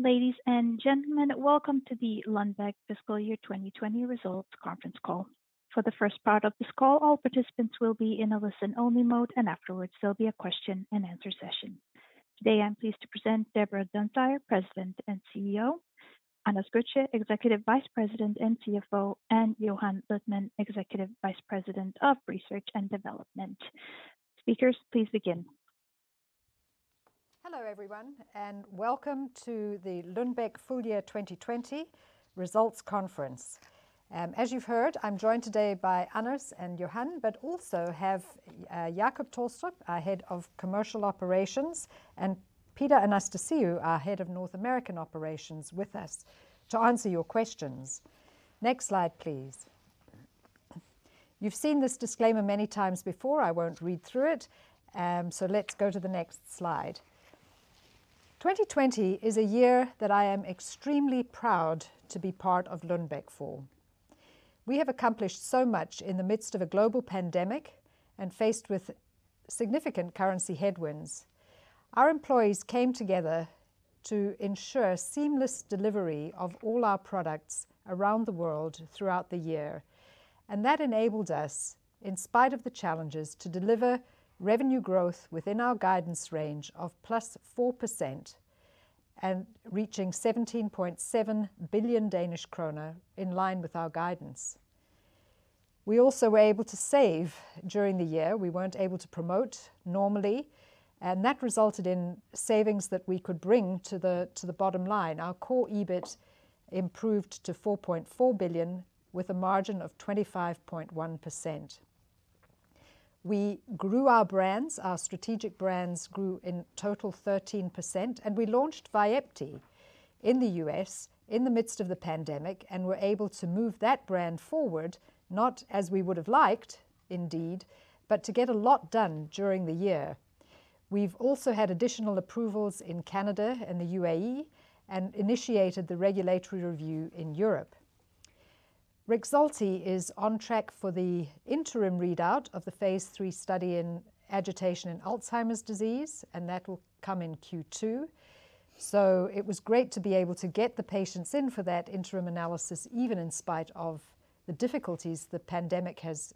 Ladies and gentlemen, welcome to the Lundbeck Fiscal Year 2020 Results Conference Call. For the first part of this call, all participants will be in a listen-only mode, and afterwards, there'll be a question and answer session. Today, I'm pleased to present Deborah Dunsire, President and CEO, Anders Götzsche, Executive Vice President and CFO, and Johan Luthman, Executive Vice President of Research and Development. Speakers, please begin. Hello everyone, welcome to the Lundbeck Full Year 2020 Results Conference. As you've heard, I'm joined today by Anders and Johan, but also have Jacob Tolstrup, our Head of Commercial Operations, and Peter Anastasiou, our Head of North American Operations, with us to answer your questions. Next slide, please. You've seen this disclaimer many times before. I won't read through it. Let's go to the next slide. 2020 is a year that I am extremely proud to be part of Lundbeck for. We have accomplished so much in the midst of a global pandemic and faced with significant currency headwinds. Our employees came together to ensure seamless delivery of all our products around the world throughout the year, that enabled us, in spite of the challenges, to deliver revenue growth within our guidance range of +4% and reaching 17.7 billion Danish kroner in line with our guidance. We also were able to save during the year. We weren't able to promote normally, and that resulted in savings that we could bring to the bottom line. Our core EBIT improved to 4.4 billion with a margin of 25.1%. We grew our brands. Our strategic brands grew in total 13%, and we launched VYEPTI in the U.S. in the midst of the pandemic and were able to move that brand forward, not as we would have liked, indeed, but to get a lot done during the year. We've also had additional approvals in Canada and the UAE and initiated the regulatory review in Europe. REXULTI is on track for the interim readout of the phase III study in agitation in Alzheimer's disease, and that will come in Q2. It was great to be able to get the patients in for that interim analysis, even in spite of the difficulties the pandemic has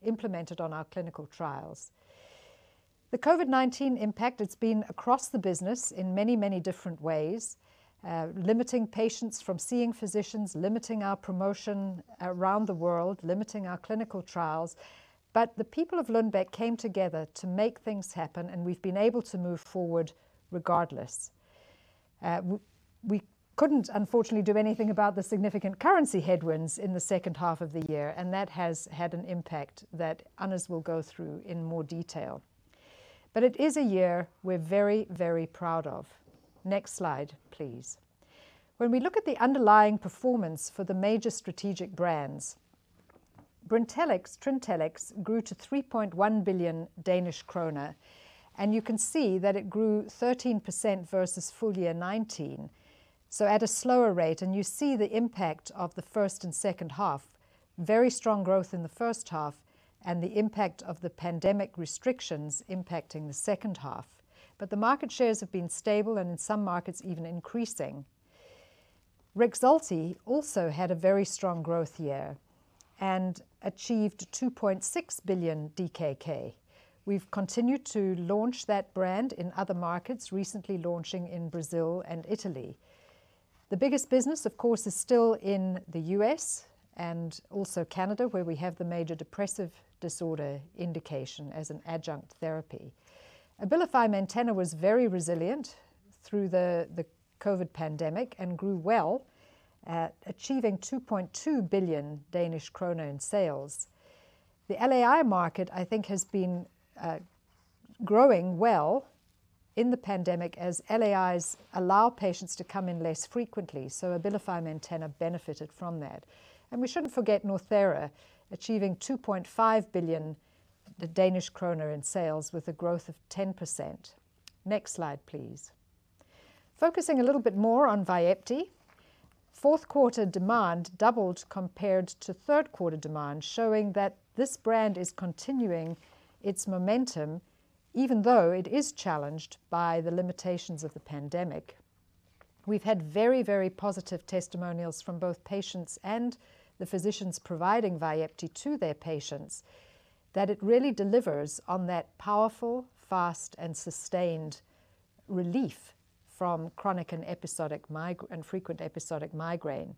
implemented on our clinical trials. The COVID-19 impact, it's been across the business in many different ways, limiting patients from seeing physicians, limiting our promotion around the world, limiting our clinical trials. The people of Lundbeck came together to make things happen, and we've been able to move forward regardless. We couldn't, unfortunately, do anything about the significant currency headwinds in the second half of the year, and that has had an impact that Anders will go through in more detail. It is a year we're very proud of. Next slide, please. When we look at the underlying performance for the major strategic brands, Brintellix grew to 3.1 billion Danish kroner, and you can see that it grew 13% versus full year 2019, so at a slower rate. You see the impact of the first and second half, very strong growth in the first half and the impact of the pandemic restrictions impacting the second half. The market shares have been stable and, in some markets, even increasing. REXULTI also had a very strong growth year and achieved 2.6 billion DKK. We've continued to launch that brand in other markets, recently launching in Brazil and Italy. The biggest business, of course, is still in the U.S. and also Canada, where we have the major depressive disorder indication as an adjunct therapy. ABILIFY MAINTENA was very resilient through the COVID pandemic and grew well at achieving 2.2 billion Danish krone in sales. The LAI market, I think, has been growing well in the pandemic as LAIs allow patients to come in less frequently, so ABILIFY MAINTENA benefited from that. We shouldn't forget NORTHERA achieving 2.5 billion Danish kroner in sales with a growth of 10%. Next slide, please. Focusing a little bit more on VYEPTI, fourth quarter demand doubled compared to third quarter demand, showing that this brand is continuing its momentum even though it is challenged by the limitations of the pandemic. We've had very positive testimonials from both patients and the physicians providing VYEPTI to their patients that it really delivers on that powerful, fast, and sustained relief from chronic and frequent episodic migraine.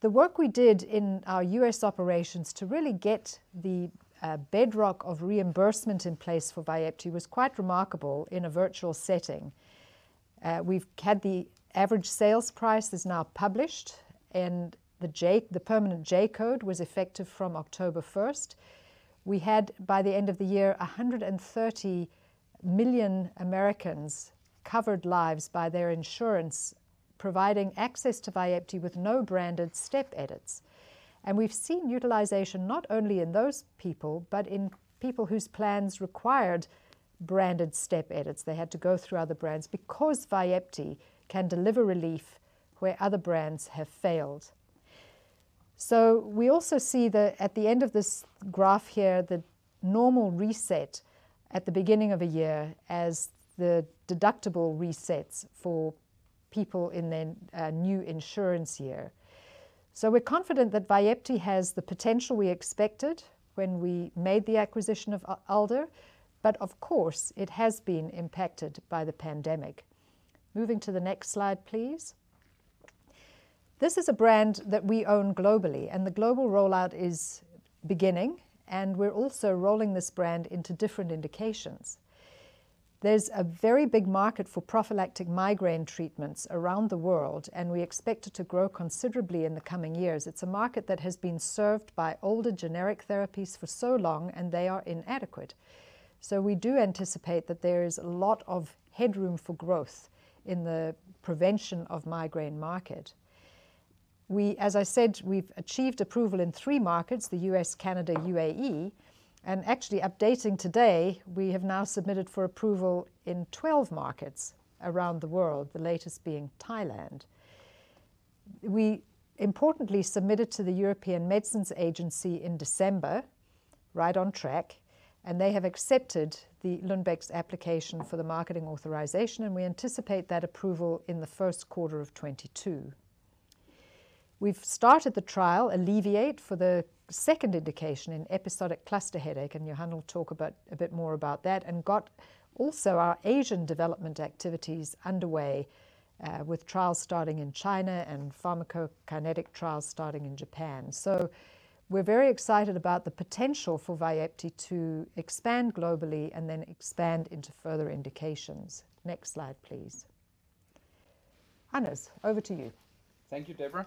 The work we did in our U.S. operations to really get the bedrock of reimbursement in place for VYEPTI was quite remarkable in a virtual setting. We've had the average sales price is now published, and the permanent J-code was effective from October 1st. We had, by the end of the year, 130 million Americans covered lives by their insurance, providing access to VYEPTI with no branded step edits. We've seen utilization not only in those people, but in people whose plans required branded step edits. They had to go through other brands because VYEPTI can deliver relief where other brands have failed. We also see that at the end of this graph here, the normal reset at the beginning of a year as the deductible resets for people in their new insurance year. We're confident that VYEPTI has the potential we expected when we made the acquisition of Alder, but of course, it has been impacted by the pandemic. Moving to the next slide, please. This is a brand that we own globally, and the global rollout is beginning, and we're also rolling this brand into different indications. There's a very big market for prophylactic migraine treatments around the world, and we expect it to grow considerably in the coming years. It's a market that has been served by older generic therapies for so long, and they are inadequate. We do anticipate that there is a lot of headroom for growth in the prevention of migraine market. As I said, we've achieved approval in three markets, the U.S. Canada, UAE, and actually updating today, we have now submitted for approval in 12 markets around the world, the latest being Thailand. We importantly submitted to the European Medicines Agency in December, right on track. They have accepted Lundbeck's application for the marketing authorization. We anticipate that approval in the first quarter of 2022. We've started the trial ALLEVIATE for the second indication in episodic cluster headache. Johan will talk a bit more about that. Got also our Asian development activities underway with trials starting in China and pharmacokinetic trials starting in Japan. We're very excited about the potential for VYEPTI to expand globally and then expand into further indications. Next slide, please. Anders, over to you. Thank you, Deborah.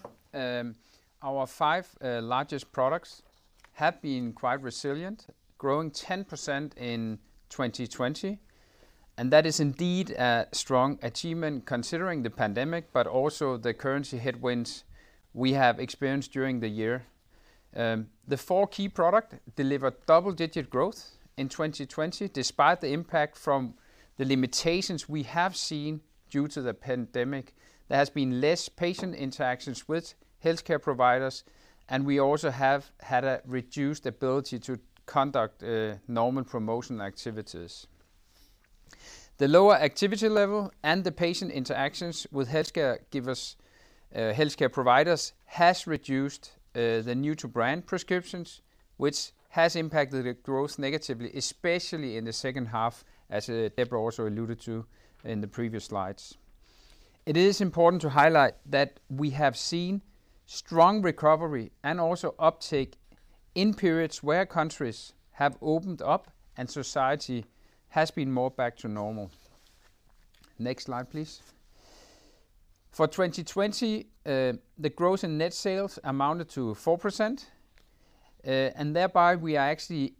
Our five largest products have been quite resilient, growing 10% in 2020, and that is indeed a strong achievement considering the pandemic, but also the currency headwinds we have experienced during the year. The four key product delivered double-digit growth in 2020, despite the impact from the limitations we have seen due to the pandemic. There has been less patient interactions with healthcare providers, and we also have had a reduced ability to conduct normal promotion activities. The lower activity level and the patient interactions with healthcare providers has reduced the new to brand prescriptions, which has impacted the growth negatively, especially in the second half, as Deborah also alluded to in the previous slides. It is important to highlight that we have seen strong recovery and also uptake in periods where countries have opened up and society has been more back to normal. Next slide, please. For 2020, the gross and net sales amounted to 4%. Thereby we are actually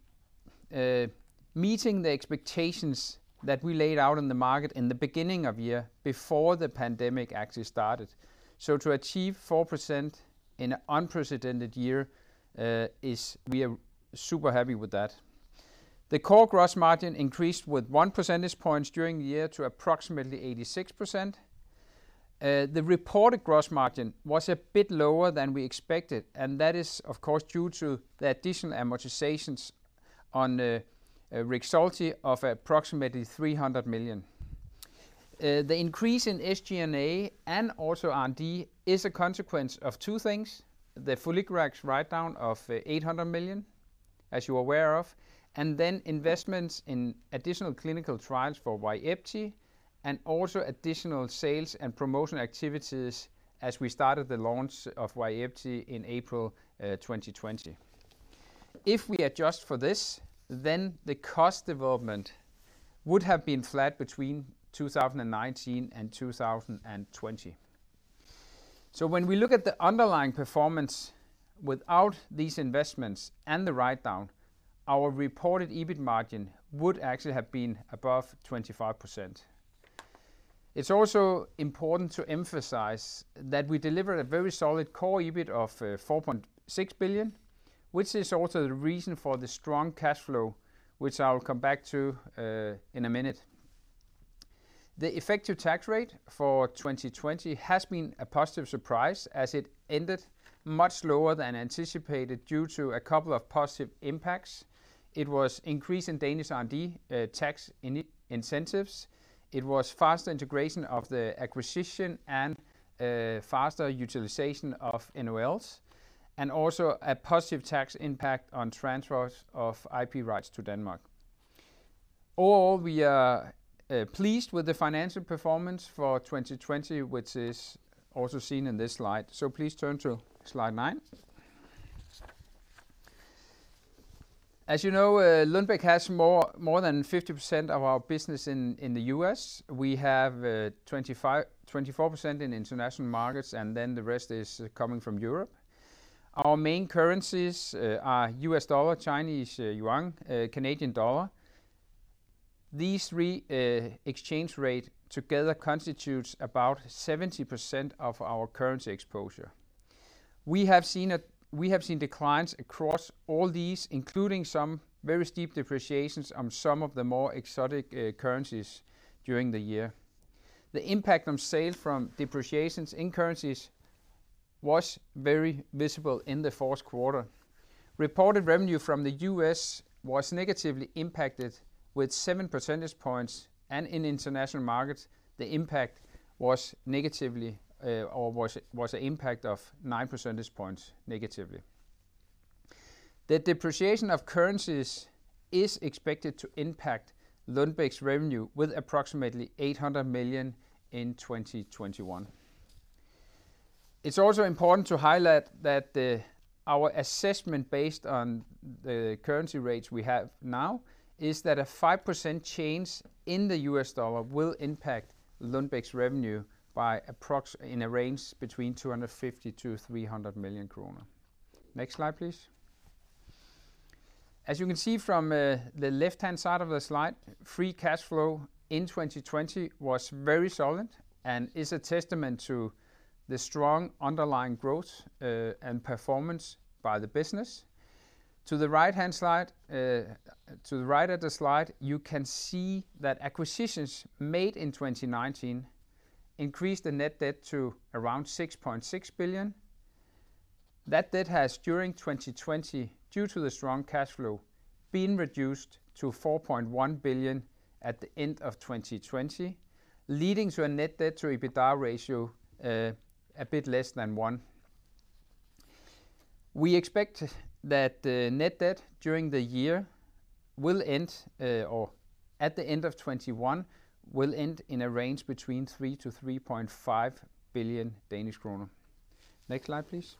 meeting the expectations that we laid out in the market in the beginning of year before the pandemic actually started. To achieve 4% in an unprecedented year, we are super happy with that. The core gross margin increased with one percentage points during the year to approximately 86%. The reported gross margin was a bit lower than we expected. That is of course due to the additional amortizations on REXULTI of approximately 300 million. The increase in SG&A and also R&D is a consequence of two things, the foliglurax write-down of 800 million, as you're aware of, and then investments in additional clinical trials for VYEPTI, and also additional sales and promotion activities as we started the launch of VYEPTI in April 2020. If we adjust for this, the cost development would have been flat between 2019 and 2020. When we look at the underlying performance without these investments and the write-down, our reported EBIT margin would actually have been above 25%. It's also important to emphasize that we delivered a very solid core EBIT of 4.6 billion, which is also the reason for the strong cash flow, which I will come back to in a minute. The effective tax rate for 2020 has been a positive surprise as it ended much lower than anticipated due to a couple of positive impacts. It was increase in Danish R&D tax incentives. It was faster integration of the acquisition and faster utilization of NOLs, and also a positive tax impact on transfers of IP rights to Denmark. All we are pleased with the financial performance for 2020, which is also seen in this slide. Please turn to slide nine. As you know, Lundbeck has more than 50% of our business in the U.S. We have 24% in international markets. The rest is coming from Europe. Our main currencies are U.S. dollar, Chinese yuan, Canadian dollar. These three exchange rate together constitutes about 70% of our currency exposure. We have seen declines across all these, including some very steep depreciations on some of the more exotic currencies during the year. The impact on sales from depreciations in currencies was very visible in the fourth quarter. Reported revenue from the U.S. was negatively impacted with seven percentage points, and in international markets, the impact was negatively or was a impact of nine percentage points negatively. The depreciation of currencies is expected to impact Lundbeck's revenue with approximately 800 million in 2021. It's also important to highlight that our assessment, based on the currency rates we have now, is that a 5% change in the US dollar will impact Lundbeck's revenue in a range between 250 million-300 million kroner. Next slide, please. As you can see from the left-hand side of the slide, free cash flow in 2020 was very solid and is a testament to the strong underlying growth and performance by the business. To the right at the slide, you can see that acquisitions made in 2019 increased the net debt to around 6.6 billion. That debt has, during 2020, due to the strong cash flow, been reduced to 4.1 billion at the end of 2020, leading to a net debt to EBITDA ratio a bit less than one. We expect that the net debt during the year will end, or at the end of 2021, will end in a range between 3 billion-3.5 billion Danish kroner. Next slide, please.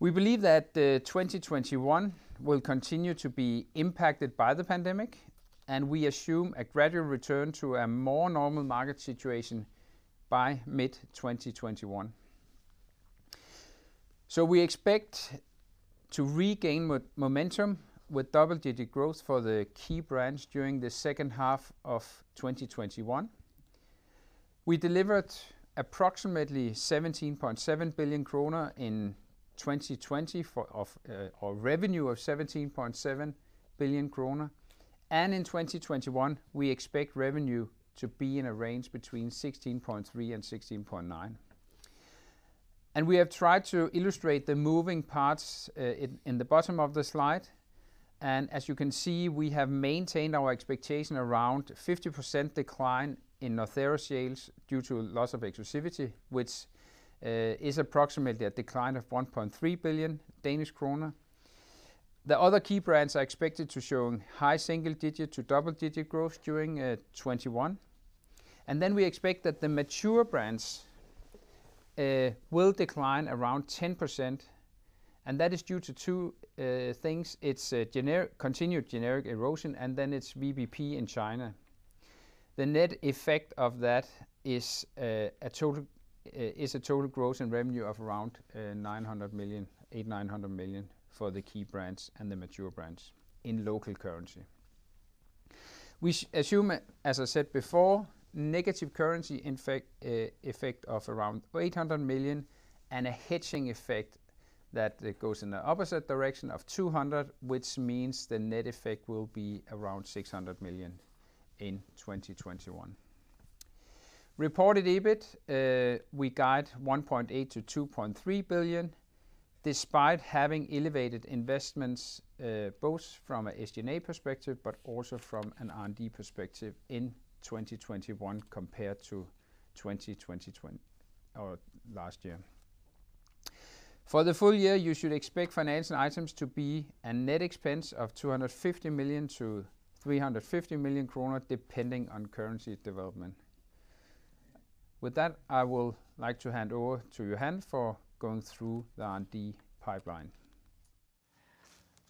We believe that 2021 will continue to be impacted by the pandemic, and we assume a gradual return to a more normal market situation by mid-2021. We expect to regain momentum with double-digit growth for the key brands during the second half of 2021. We delivered approximately 17.7 billion kroner in 2020, or revenue of 17.7 billion kroner. In 2021, we expect revenue to be in a range between 16.3 billion-16.9 billion. We have tried to illustrate the moving parts in the bottom of the slide. As you can see, we have maintained our expectation around 50% decline in NORTHERA sales due to loss of exclusivity, which is approximately a decline of 1.3 billion Danish kroner. The other key brands are expected to show high single-digit to double-digit growth during 2021. We expect that the mature brands will decline around 10%, and that is due to two things. It's continued generic erosion, and then it's VBP in China. The net effect of that is a total gross in revenue of around 800 million-900 million for the key brands and the mature brands in local currency. We assume, as I said before, negative currency effect of around 800 million and a hedging effect that goes in the opposite direction of 200 million, which means the net effect will be around 600 million in 2021. Reported EBIT, we guide 1.8 billion-2.3 billion, despite having elevated investments, both from a SG&A perspective, but also from an R&D perspective in 2021 compared to 2020 or last year. For the full year, you should expect financing items to be a net expense of 250 million-350 million kroner, depending on currency development. With that, I will like to hand over to Johan for going through the R&D pipeline.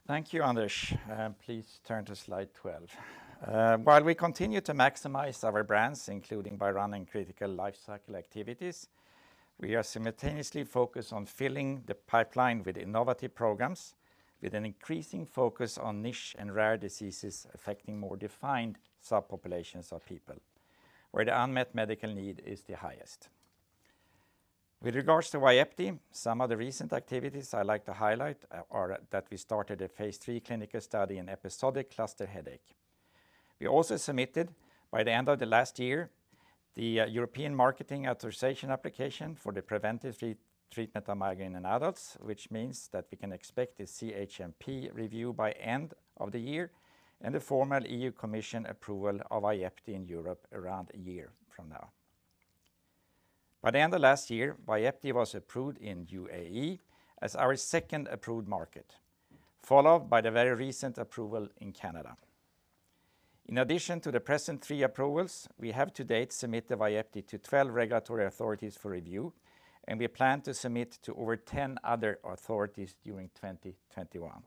Thank you, Anders. Please turn to slide 12. While we continue to maximize our brands, including by running critical life cycle activities, we are simultaneously focused on filling the pipeline with innovative programs, with an increasing focus on niche and rare diseases affecting more defined subpopulations of people where the unmet medical need is the highest. With regards to VYEPTI, some of the recent activities I like to highlight are that we started a phase III clinical study in episodic cluster headache. We also submitted, by the end of the last year, the European Marketing Authorization application for the preventive treatment of migraine in adults, which means that we can expect the CHMP review by end of the year, and the formal EU Commission approval of VYEPTI in Europe around a year from now. By the end of last year, VYEPTI was approved in UAE as our second approved market, followed by the very recent approval in Canada. In addition to the present three approvals, we have to date submitted VYEPTI to 12 regulatory authorities for review. We plan to submit to over 10 other authorities during 2021.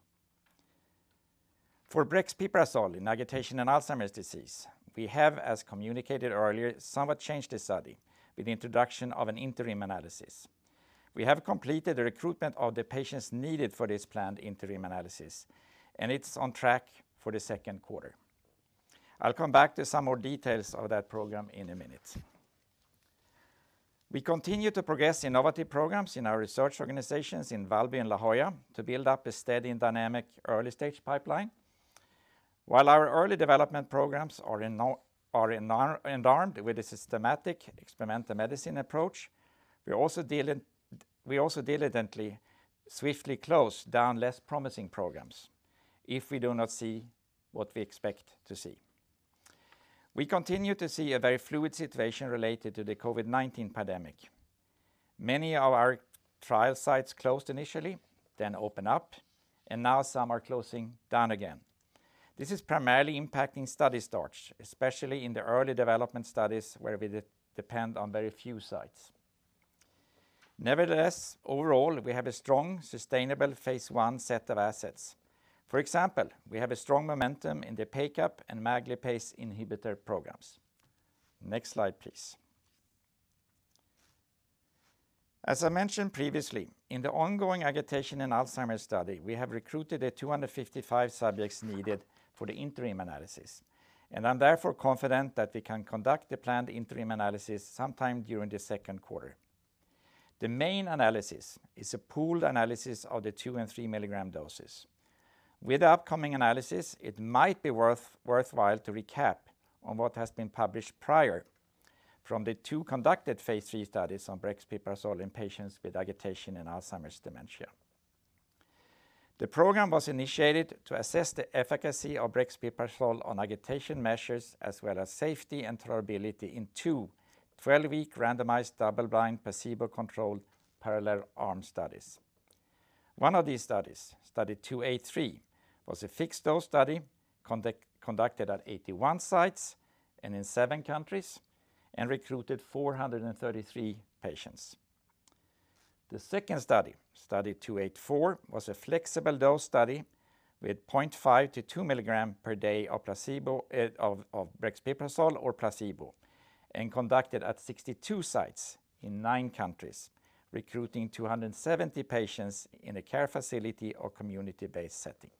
For brexpiprazole in agitation and Alzheimer's disease, we have, as communicated earlier, somewhat changed the study with the introduction of an interim analysis. We have completed the recruitment of the patients needed for this planned interim analysis. It's on track for the second quarter. I'll come back to some more details of that program in a minute. We continue to progress innovative programs in our research organizations in Valby and La Jolla to build up a steady and dynamic early-stage pipeline. While our early development programs are endowed with a systematic experimental medicine approach, we also diligently, swiftly close down less promising programs if we do not see what we expect to see. We continue to see a very fluid situation related to the COVID-19 pandemic. Many of our trial sites closed initially, then opened up, and now some are closing down again. This is primarily impacting study starts, especially in the early development studies where we depend on very few sites. Nevertheless, overall, we have a strong, sustainable phase I set of assets. For example, we have a strong momentum in the PACAP and MAG lipase inhibitor programs. Next slide, please. As I mentioned previously, in the ongoing agitation and Alzheimer's study, we have recruited the 255 subjects needed for the interim analysis, and I'm therefore confident that we can conduct the planned interim analysis sometime during the second quarter. The main analysis is a pooled analysis of the two and three milligram doses. With the upcoming analysis, it might be worthwhile to recap on what has been published prior from the two conducted phase III studies on brexpiprazole in patients with agitation and Alzheimer's dementia. The program was initiated to assess the efficacy of brexpiprazole on agitation measures, as well as safety and tolerability in two 12-week randomized, double-blind, placebo-controlled parallel arm studies. One of these studies, Study 283, was a fixed-dose study conducted at 81 sites and in seven countries and recruited 433 patients. The second study, Study 284, was a flexible-dose study with 0.5 mg- 2 mg per day of brexpiprazole or placebo and conducted at 62 sites in nine countries, recruiting 270 patients in a care facility or community-based setting.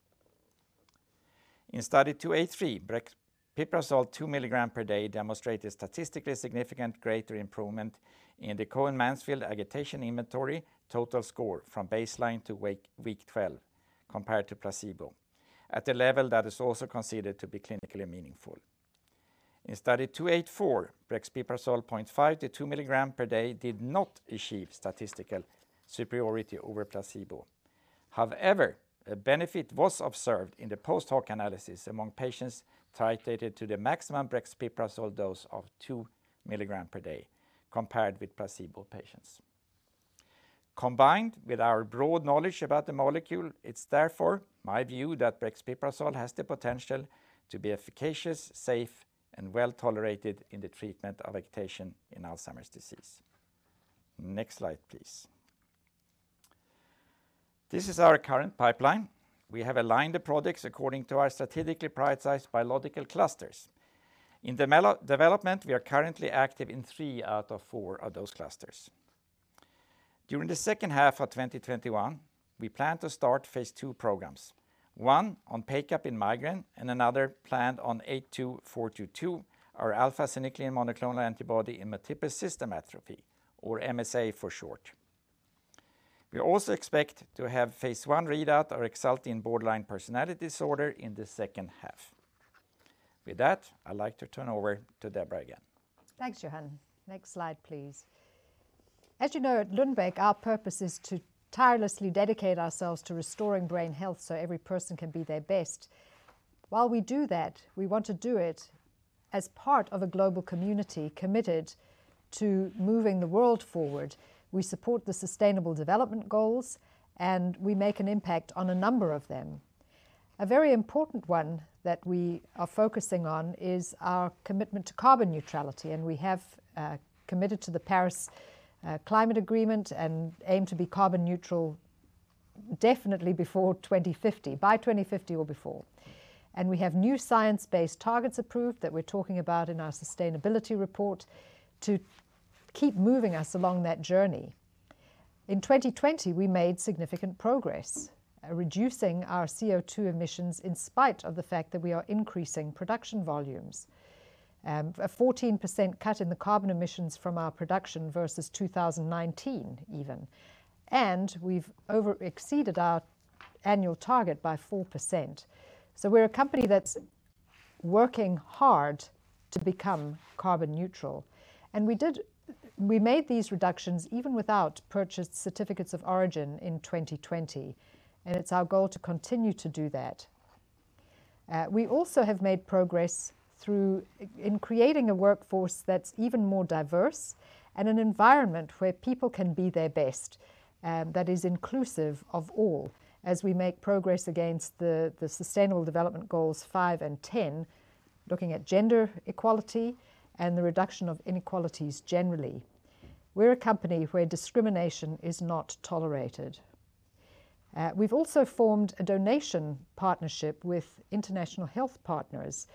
In Study 283, brexpiprazole 2 mg per day demonstrated statistically significant greater improvement in the Cohen-Mansfield Agitation Inventory total score from baseline to week 12 compared to placebo at a level that is also considered to be clinically meaningful. In Study 284, brexpiprazole 0.5mg -2 mg per day did not achieve statistical superiority over placebo. However, a benefit was observed in the post hoc analysis among patients titrated to the maximum brexpiprazole dose of 2 mg per day compared with placebo patients. Combined with our broad knowledge about the molecule, it's therefore my view that brexpiprazole has the potential to be efficacious, safe, and well-tolerated in the treatment of agitation in Alzheimer's disease. Next slide, please. This is our current pipeline. We have aligned the products according to our strategically prioritized biological clusters. In development, we are currently active in three out of four of those clusters. During the second half of 2021, we plan to start Phase II programs, one on PACAP in migraine and another planned on A2422, our alpha-synuclein monoclonal antibody in multiple system atrophy, or MSA for short. We also expect to have Phase I read out of REXULTI in borderline personality disorder in the second half. With that, I'd like to turn over to Deborah again. Thanks, Johan. Next slide, please. As you know, at Lundbeck, our purpose is to tirelessly dedicate ourselves to restoring brain health so every person can be their best. While we do that, we want to do it as part of a global community committed to moving the world forward. We support the sustainable development goals. We make an impact on a number of them. A very important one that we are focusing on is our commitment to carbon neutrality. We have committed to the Paris Climate Agreement and aim to be carbon neutral definitely by 2050 or before. We have new science-based targets approved that we're talking about in our sustainability report to keep moving us along that journey. In 2020, we made significant progress reducing our CO2 emissions in spite of the fact that we are increasing production volumes. 14% cut in the carbon emissions from our production versus 2019 even. We've exceeded our annual target by 4%. We're a company that's working hard to become carbon neutral. We made these reductions even without purchased certificates of origin in 2020, and it's our goal to continue to do that. We also have made progress in creating a workforce that's even more diverse and an environment where people can be their best that is inclusive of all as we make progress against the Sustainable Development Goals five and 10, looking at gender equality and the reduction of inequalities generally. We're a company where discrimination is not tolerated. We've also formed a donation partnership with International Health Partners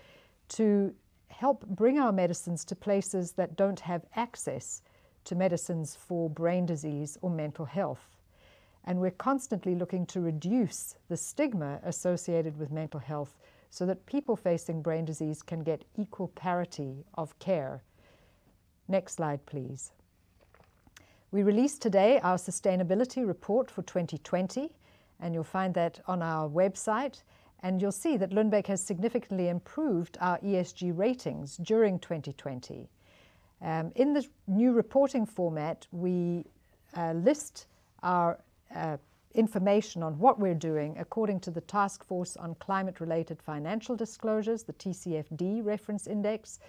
to help bring our medicines to places that don't have access to medicines for brain disease or mental health. We're constantly looking to reduce the stigma associated with mental health so that people facing brain disease can get equal parity of care. Next slide, please. We released today our sustainability report for 2020, and you'll find that on our website, and you'll see that Lundbeck has significantly improved our ESG ratings during 2020. In this new reporting format, we list our information on what we're doing according to the Task Force on Climate-related Financial Disclosures, the TCFD reference index,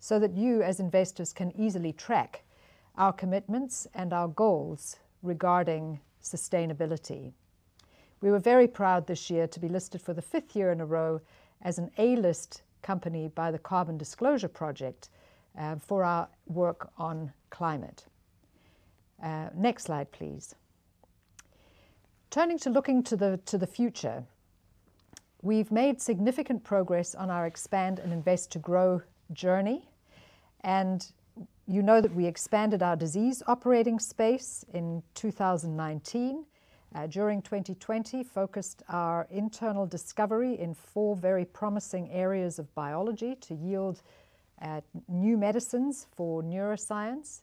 so that you, as investors, can easily track our commitments and our goals regarding sustainability. We were very proud this year to be listed for the fifth year in a row as an A-list company by the Carbon Disclosure Project for our work on climate. Next slide, please. Turning to looking to the future, we've made significant progress on our expand and invest to grow journey, you know that we expanded our disease operating space in 2019. During 2020, focused our internal discovery in four very promising areas of biology to yield new medicines for neuroscience.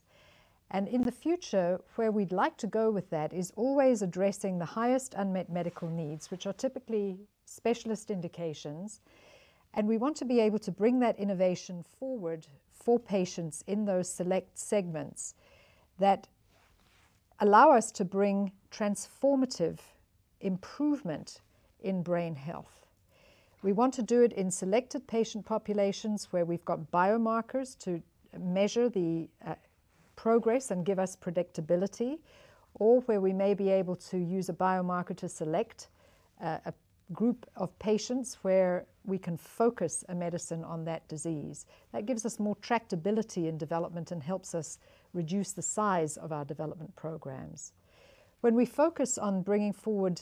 In the future, where we'd like to go with that is always addressing the highest unmet medical needs, which are typically specialist indications. We want to be able to bring that innovation forward for patients in those select segments that allow us to bring transformative improvement in brain health. We want to do it in selected patient populations where we've got biomarkers to measure the progress and give us predictability, or where we may be able to use a biomarker to select a group of patients where we can focus a medicine on that disease. That gives us more tractability in development and helps us reduce the size of our development programs. When we focus on bringing forward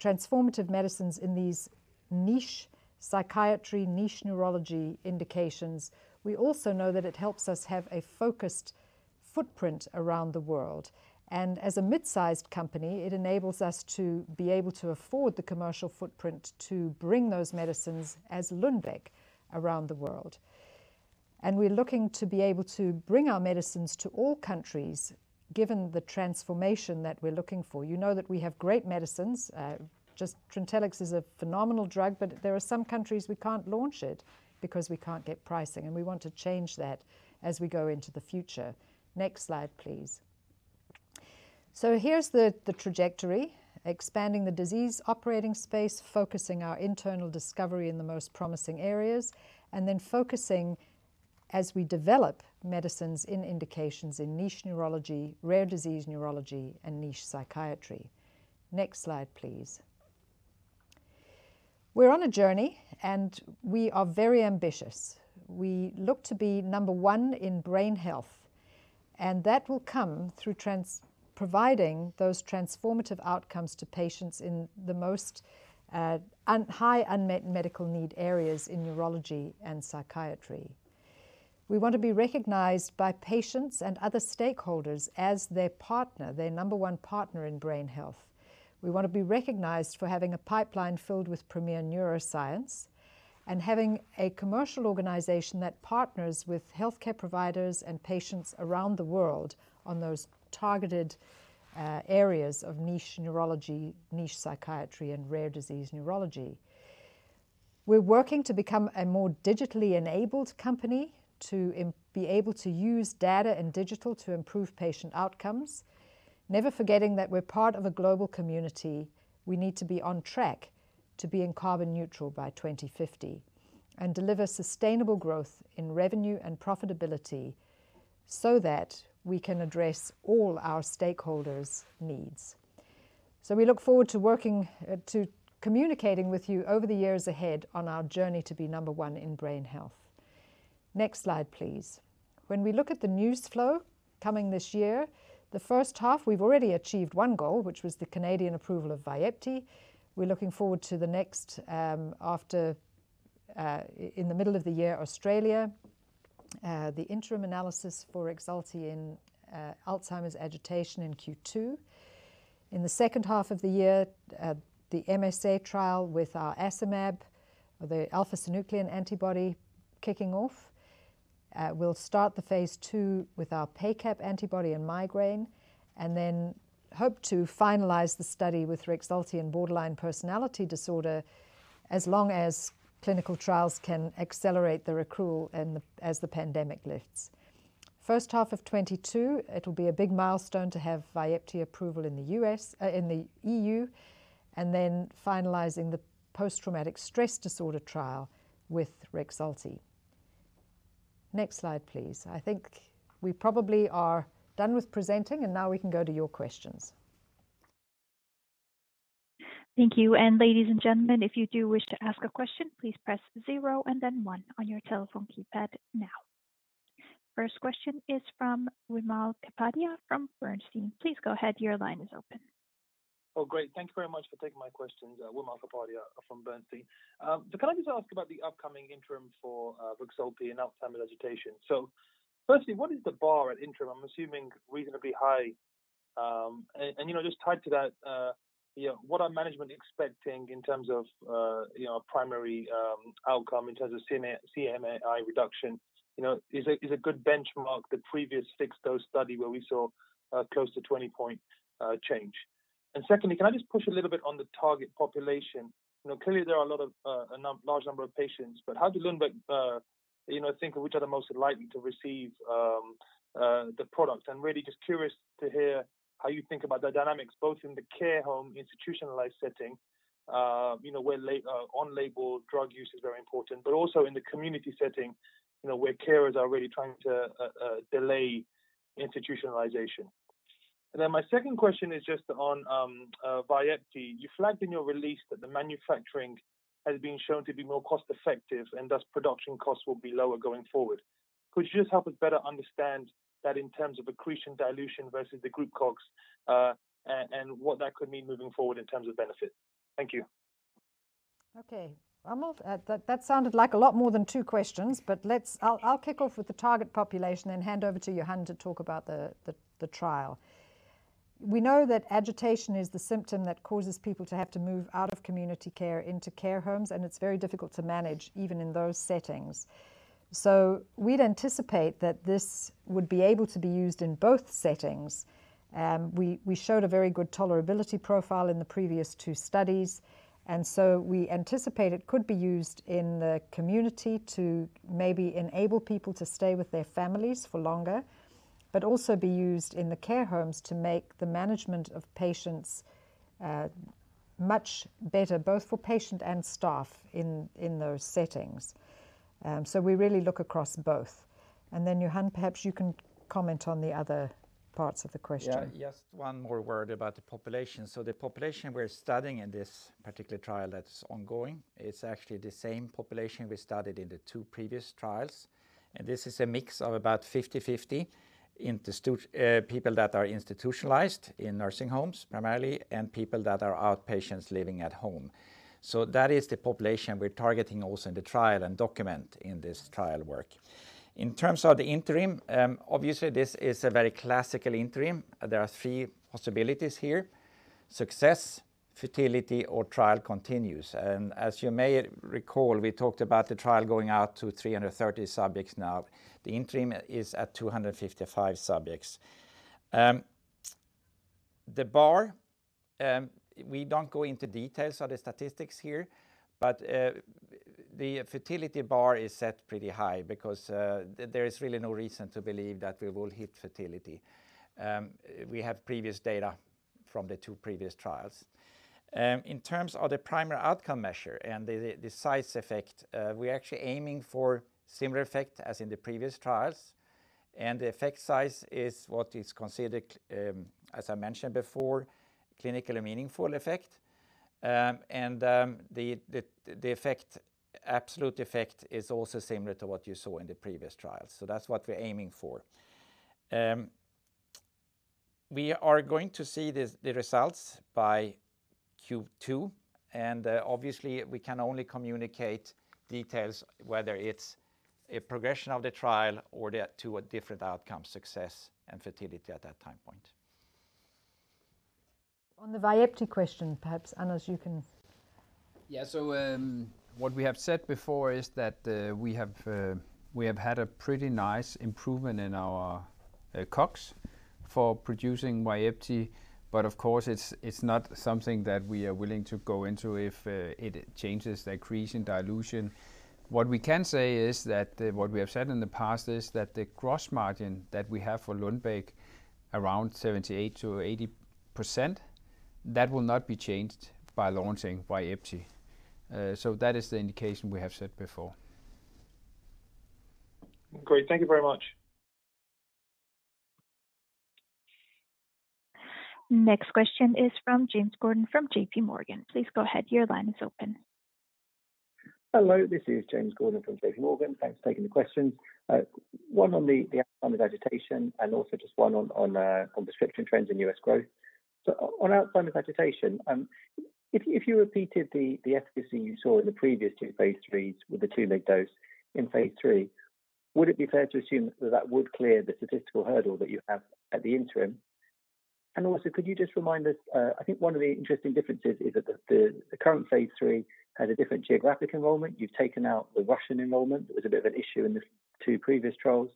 transformative medicines in these niche psychiatry, niche neurology indications, we also know that it helps us have a focused footprint around the world. As a mid-sized company, it enables us to be able to afford the commercial footprint to bring those medicines as Lundbeck around the world. We're looking to be able to bring our medicines to all countries, given the transformation that we're looking for. You know that we have great medicines. TRINTELLIX is a phenomenal drug. There are some countries we can't launch it because we can't get pricing. We want to change that as we go into the future. Next slide, please. Here's the trajectory, expanding the disease operating space, focusing our internal discovery in the most promising areas, and then focusing as we develop medicines in indications in niche neurology, rare disease neurology, and niche psychiatry. Next slide, please. We're on a journey. We are very ambitious. We look to be number one in brain health. That will come through providing those transformative outcomes to patients in the most high unmet medical need areas in neurology and psychiatry. We want to be recognized by patients and other stakeholders as their partner, their number one partner in brain health. We want to be recognized for having a pipeline filled with premier neuroscience and having a commercial organization that partners with healthcare providers and patients around the world on those targeted areas of niche neurology, niche psychiatry, and rare disease neurology. We're working to become a more digitally enabled company to be able to use data and digital to improve patient outcomes. Never forgetting that we're part of a global community, we need to be on track to being carbon neutral by 2050 and deliver sustainable growth in revenue and profitability so that we can address all our stakeholders' needs. We look forward to communicating with you over the years ahead on our journey to be number one in brain health. Next slide, please. When we look at the news flow coming this year, the first half, we've already achieved one goal, which was the Canadian approval of VYEPTI. We're looking forward to in the middle of the year, Australia. The interim analysis for REXULTI in Alzheimer's agitation in Q2. In the second half of the year, the MSA trial with our the alpha-synuclein antibody, kicking off. We'll start the phase II with our PACAP antibody and migraine and then hope to finalize the study with REXULTI in borderline personality disorder, as long as clinical trials can accelerate the accrual and as the pandemic lifts. First half of 2022, it'll be a big milestone to have VYEPTI approval in the EU and then finalizing the post-traumatic stress disorder trial with REXULTI. Next slide, please. I think we probably are done with presenting, and now we can go to your questions. Thank you. Ladies and gentlemen, if you do wish to ask a question, please press zero and then one on your telephone keypad now. First question is from Wimal Kapadia from Bernstein. Please go ahead. Your line is open. Oh, great. Thank you very much for taking my questions. Wimal Kapadia from Bernstein. Can I just ask about the upcoming interim for REXULTI and Alzheimer's agitation? Firstly, what is the bar at interim? I am assuming reasonably high. Just tied to that, what are management expecting in terms of primary outcome, in terms of CMAI reduction? Is a good benchmark the previous six-dose study where we saw close to 20-point change? Secondly, can I just push a little bit on the target population? Clearly there are a large number of patients, but how does Lundbeck think of which are the most likely to receive the products? I am really just curious to hear how you think about the dynamics, both in the care home institutionalized setting, where on-label drug use is very important, but also in the community setting, where carers are really trying to delay institutionalization. My second question is just on VYEPTI. You flagged in your release that the manufacturing has been shown to be more cost-effective and thus production costs will be lower going forward. Could you just help us better understand that in terms of accretion dilution versus the group COGS, and what that could mean moving forward in terms of benefit? Thank you. Okay. Wimal, that sounded like a lot more than two questions, but I'll kick off with the target population and hand over to Johan to talk about the trial. We know that agitation is the symptom that causes people to have to move out of community care into care homes, and it's very difficult to manage even in those settings. We'd anticipate that this would be able to be used in both settings. We showed a very good tolerability profile in the previous two studies, and so we anticipate it could be used in the community to maybe enable people to stay with their families for longer, but also be used in the care homes to make the management of patients much better, both for patient and staff in those settings. We really look across both. Johan, perhaps you can comment on the other parts of the question. Yeah. Just one more word about the population. The population we're studying in this particular trial that's ongoing, it's actually the same population we studied in the two previous trials, and this is a mix of about 50/50 people that are institutionalized in nursing homes primarily, and people that are outpatients living at home. That is the population we're targeting also in the trial and document in this trial work. In terms of the interim, obviously this is a very classical interim. There are three possibilities here, success, futility, or trial continues. As you may recall, we talked about the trial going out to 330 subjects now. The interim is at 255 subjects. The bar, we don't go into details of the statistics here, but the futility bar is set pretty high because there is really no reason to believe that we will hit futility. We have previous data from the two previous trials. In terms of the primary outcome measure and the size effect, we're actually aiming for similar effect as in the previous trials. The effect size is what is considered, as I mentioned before, clinically meaningful effect. The absolute effect is also similar to what you saw in the previous trials. That's what we're aiming for. We are going to see the results by Q2. Obviously, we can only communicate details, whether it's a progression of the trial or to a different outcome, success and futility at that time point. On the VYEPTI question, perhaps, Anders, you can. What we have said before is that we have had a pretty nice improvement in our COGS for producing VYEPTI. Of course, it's not something that we are willing to go into if it changes the accretion dilution. What we can say is that what we have said in the past is that the gross margin that we have for Lundbeck around 78%-80%, that will not be changed by launching VYEPTI. That is the indication we have said before. Great. Thank you very much. Next question is from James Gordon from JPMorgan. Please go ahead. Your line is open. Hello. This is James Gordon from JPMorgan. Thanks for taking the questions. One on the Alzheimer's agitation and also just one on prescription trends in U.S. growth. On Alzheimer's agitation, if you repeated the efficacy you saw in the previous two Phase III's with the 2 mg dose in Phase III, would it be fair to assume that that would clear the statistical hurdle that you have at the interim? Also, could you just remind us, I think one of the interesting differences is that the current Phase III has a different geographic enrollment. You've taken out the Russian enrollment. That was a bit of an issue in the two previous trials.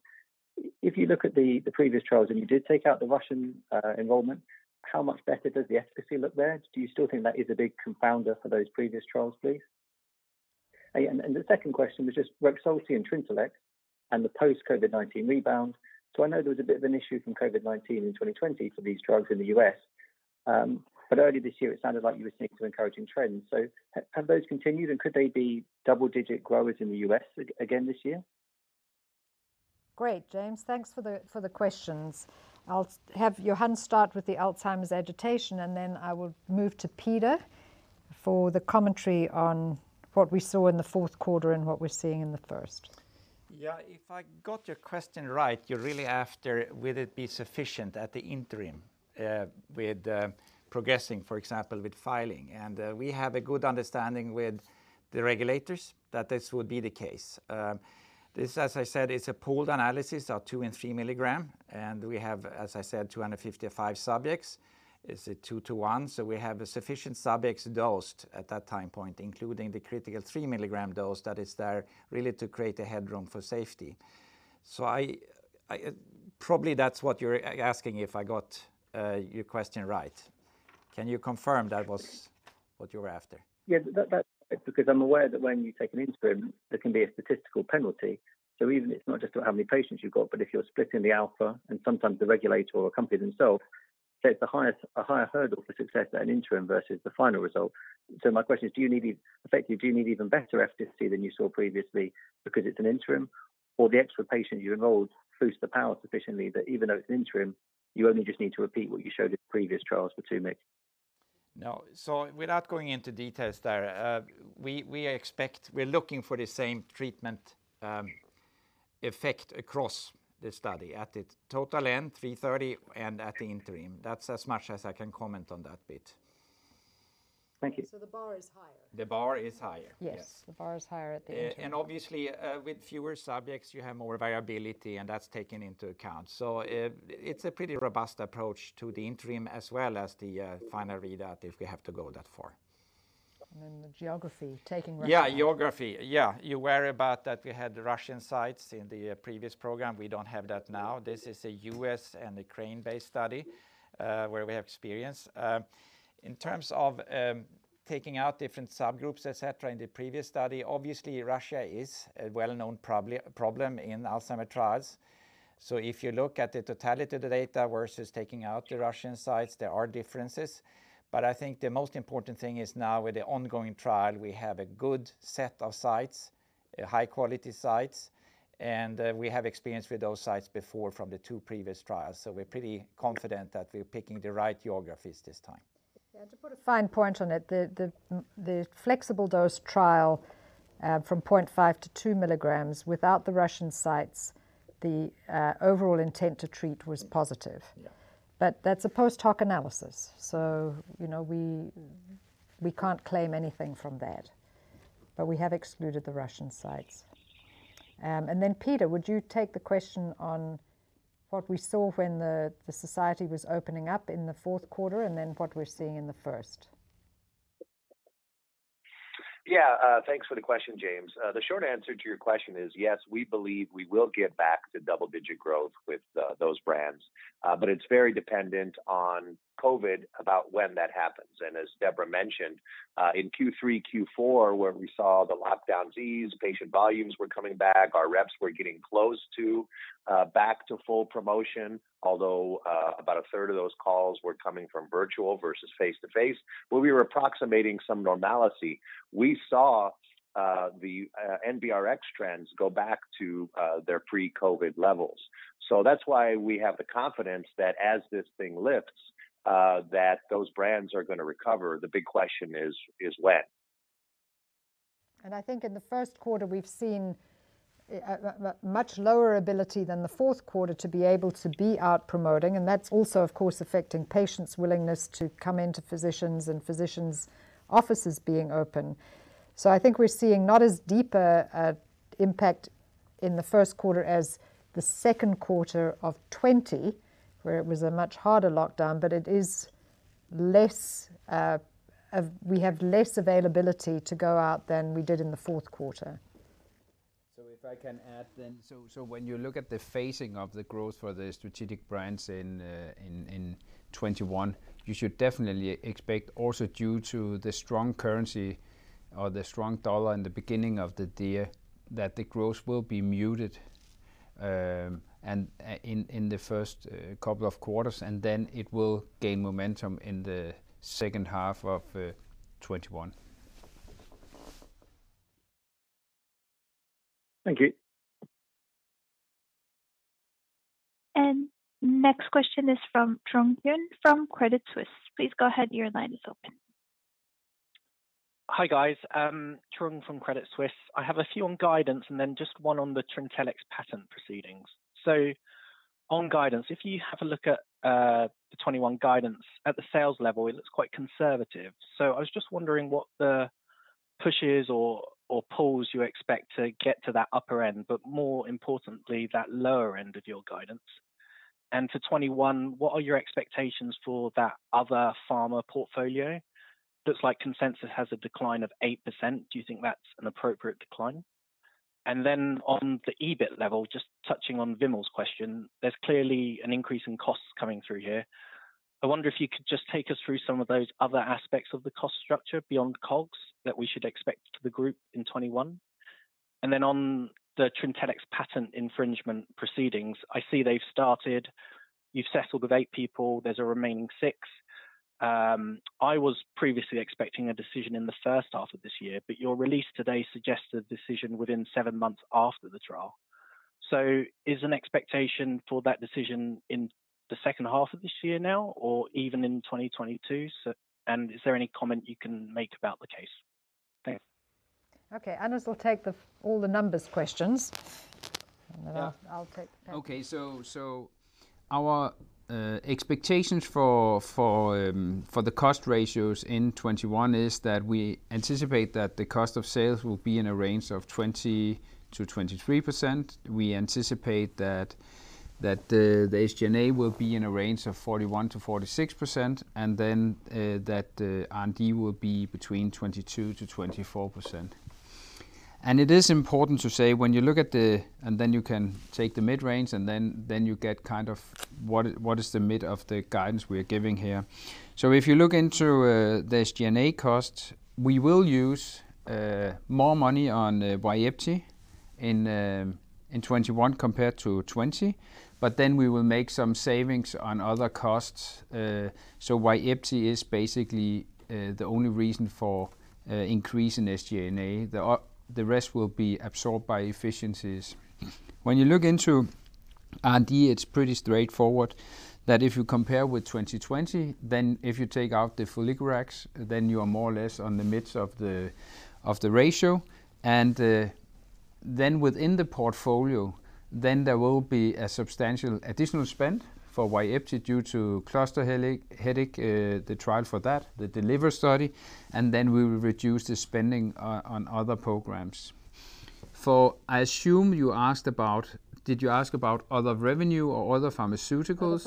If you look at the previous trials and you did take out the Russian enrollment, how much better does the efficacy look there? Do you still think that is a big confounder for those previous trials, please? The second question was just REXULTI and TRINTELLIX and the post-COVID-19 rebound. I know there was a bit of an issue from COVID-19 in 2020 for these drugs in the U.S. but earlier this year it sounded like you were seeing some encouraging trends. Have those continued and could they be double-digit growers in the U.S. again this year? Great, James. Thanks for the questions. I'll have Johan start with the Alzheimer's agitation, and then I will move to Peter for the commentary on what we saw in the fourth quarter and what we're seeing in the first. Yeah, if I got your question right, you're really after will it be sufficient at the interim with progressing, for example, with filing. We have a good understanding with the regulators that this would be the case. This, as I said, is a pooled analysis of 2 mg and 3 mg. We have, as I said, 255 subjects. It's a two to one, we have sufficient subjects dosed at that time point, including the critical 3 mg dose that is there really to create the headroom for safety. Probably that's what you're asking if I got your question right. Can you confirm that was what you were after? That's right, because I'm aware that when you take an interim, there can be a statistical penalty. Even it's not just about how many patients you've got, but if you're splitting the alpha, and sometimes the regulator or company themself sets a higher hurdle for success at an interim versus the final result. My question is, effectively, do you need even better efficacy than you saw previously because it's an interim? Or the extra patient you enrolled boosts the power sufficiently that even though it's an interim, you only just need to repeat what you showed in previous trials for 2 mg? No. Without going into details there, we're looking for the same treatment effect across the study at its total end, 330, and at the interim. That's as much as I can comment on that bit. Thank you. The bar is higher. The bar is higher, yes. Yes. The bar is higher at the interim. Obviously, with fewer subjects, you have more variability, and that's taken into account. It's a pretty robust approach to the interim as well as the final readout if we have to go that far. The geography, taking Russia- Geography. Yeah, you're wary about that. We had Russian sites in the previous program. We don't have that now. This is a U.S. and Ukraine-based study where we have experience. In terms of taking out different subgroups, et cetera, in the previous study, obviously Russia is a well-known problem in Alzheimer trials. If you look at the totality of the data versus taking out the Russian sites, there are differences. I think the most important thing is now with the ongoing trial, we have a good set of sites, high-quality sites, and we have experience with those sites before from the two previous trials. We're pretty confident that we're picking the right geographies this time. To put a fine point on it, the flexible dose trial from 0.5 mg -2mg without the Russian sites, the overall intent to treat was positive. Yeah. That's a post-hoc analysis, so we can't claim anything from that. We have excluded the Russian sites. Peter, would you take the question on what we saw when the society was opening up in the fourth quarter, and then what we're seeing in the first? Yeah. Thanks for the question, James. The short answer to your question is yes, we believe we will get back to double-digit growth with those brands. It's very dependent on COVID about when that happens. As Deborah mentioned, in Q3, Q4, where we saw the lockdowns ease, patient volumes were coming back, our reps were getting close to back to full promotion, although about a third of those calls were coming from virtual versus face-to-face, but we were approximating some normalcy. We saw the NBRX trends go back to their pre-COVID levels. That's why we have the confidence that as this thing lifts, that those brands are going to recover. The big question is when. I think in the first quarter, we've seen much lower ability than the fourth quarter to be able to be out promoting, and that's also, of course, affecting patients' willingness to come in to physicians and physicians' offices being open. I think we're seeing not as deep a impact in the first quarter as the second quarter of 2020, where it was a much harder lockdown, but we have less availability to go out than we did in the fourth quarter. If I can add then, so when you look at the phasing of the growth for the strategic brands in 2021, you should definitely expect also due to the strong currency or the strong dollar in the beginning of the year, that the growth will be muted in the first couple of quarters, and then it will gain momentum in the second half of 2021. Thank you. Next question is from Trung Huynh from Credit Suisse. Please go ahead. Your line is open. Hi, guys. Trung from Credit Suisse. I have a few on guidance, just one on the TRINTELLIX patent proceedings. On guidance, if you have a look at the 2021 guidance at the sales level, it looks quite conservative. I was just wondering what the pushes or pulls you expect to get to that upper end, more importantly, that lower end of your guidance. For 2021, what are your expectations for that other pharma portfolio? Looks like consensus has a decline of 8%. Do you think that's an appropriate decline? On the EBIT level, just touching on Wimal's question, there's clearly an increase in costs coming through here. I wonder if you could just take us through some of those other aspects of the cost structure beyond COGS that we should expect to the group in 2021. On the TRINTELLIX patent infringement proceedings, I see they've started. You've settled with eight people. There's a remaining six. I was previously expecting a decision in the first half of this year, but your release today suggests a decision within seven months after the trial. Is an expectation for that decision in the second half of this year now, or even in 2022? Is there any comment you can make about the case? Thanks. Okay. Anders will take all the numbers questions. Okay. Our expectations for the cost ratios in 2021 is that we anticipate that the cost of sales will be in a range of 20%-23%. We anticipate that the SG&A will be in a range of 41%-46%, and then that the R&D will be between 22%-24%. It is important to say, then you can take the mid-range, and then you get what is the mid of the guidance we are giving here. If you look into the SG&A costs, we will use more money on VYEPTI in 2021 compared to 2020, but then we will make some savings on other costs. VYEPTI is basically the only reason for increase in SG&A. The rest will be absorbed by efficiencies. When you look into R&D, it's pretty straightforward that if you compare with 2020, if you take out the foliglurax, you are more or less on the midst of the ratio. Within the portfolio, there will be a substantial additional spend for VYEPTI due to cluster headache, the trial for that, the DELIVER study, and then we will reduce the spending on other programs. Did you ask about other revenue or other pharmaceuticals?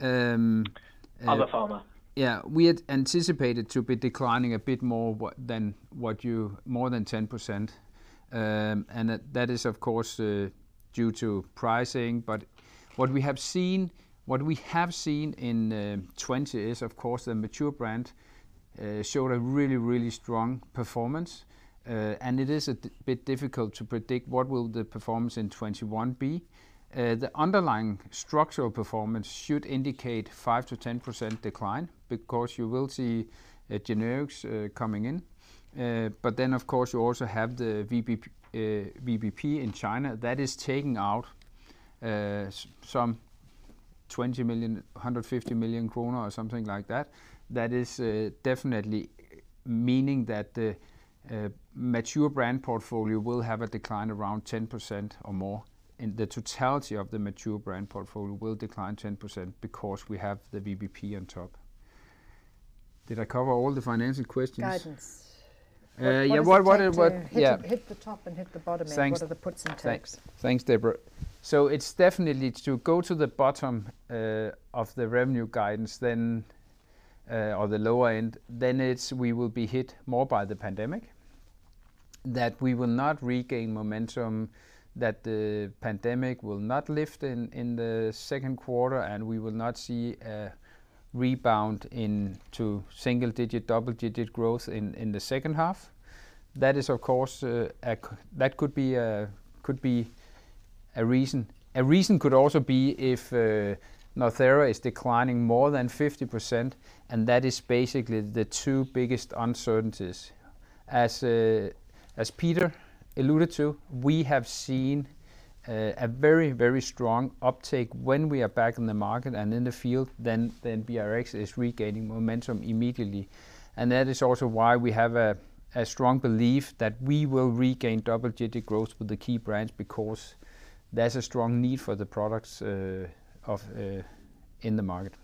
Other pharma. Yeah. We had anticipated to be declining a bit more than 10%. That is of course due to pricing. What we have seen in 2020 is, of course, the mature brand showed a really, really strong performance. It is a bit difficult to predict what will the performance in 2021 be. The underlying structural performance should indicate 5%-10% decline because you will see generics coming in. Of course, you also have the VBP in China that is taking out some 150 million kroner or something like that. That is definitely meaning that the mature brand portfolio will have a decline around 10% or more, and the totality of the mature brand portfolio will decline 10% because we have the VBP on top. Did I cover all the financial questions? Guidance. Yeah. What is the take to hit the top and hit the bottom end? Thanks. What are the puts and takes? Thanks, Deborah. It's definitely to go to the bottom of the revenue guidance, or the lower end, then it's we will be hit more by the pandemic, that we will not regain momentum, that the pandemic will not lift in the second quarter, and we will not see a rebound into single-digit, double-digit growth in the second half. That could be a reason. A reason could also be if NORTHERA is declining more than 50%, and that is basically the two biggest uncertainties. As Peter alluded to, we have seen a very, very strong uptake when we are back in the market and in the field, then BRX is regaining momentum immediately. That is also why we have a strong belief that we will regain double-digit growth with the key brands because there's a strong need for the products in the market.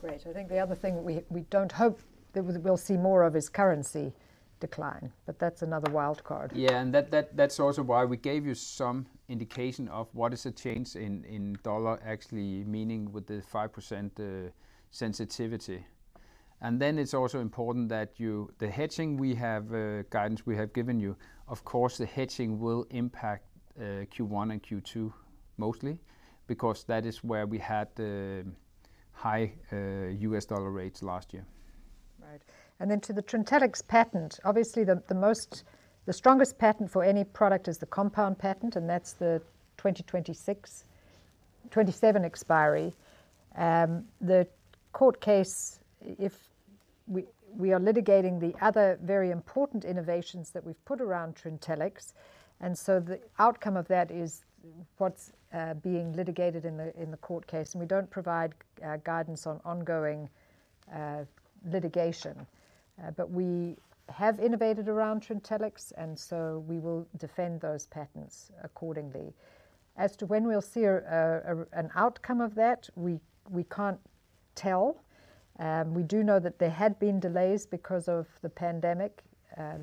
Great. I think the other thing we don't hope that we'll see more of is currency decline. That's another wild card. Yeah, that's also why we gave you some indication of what a change in U.S. dollar is actually meaning with the 5% sensitivity. Then it's also important that the hedging we have, guidance we have given you, of course, the hedging will impact Q1 and Q2 mostly because that is where we had the high U.S. dollar rates last year. Right. To the Trintellix patent, obviously the strongest patent for any product is the compound patent, and that's the 2026, 2027 expiry. The court case, we are litigating the other very important innovations that we've put around Trintellix. The outcome of that is what's being litigated in the court case. We don't provide guidance on ongoing litigation. We have innovated around Trintellix. We will defend those patents accordingly. As to when we'll see an outcome of that, we can't tell. We do know that there had been delays because of the pandemic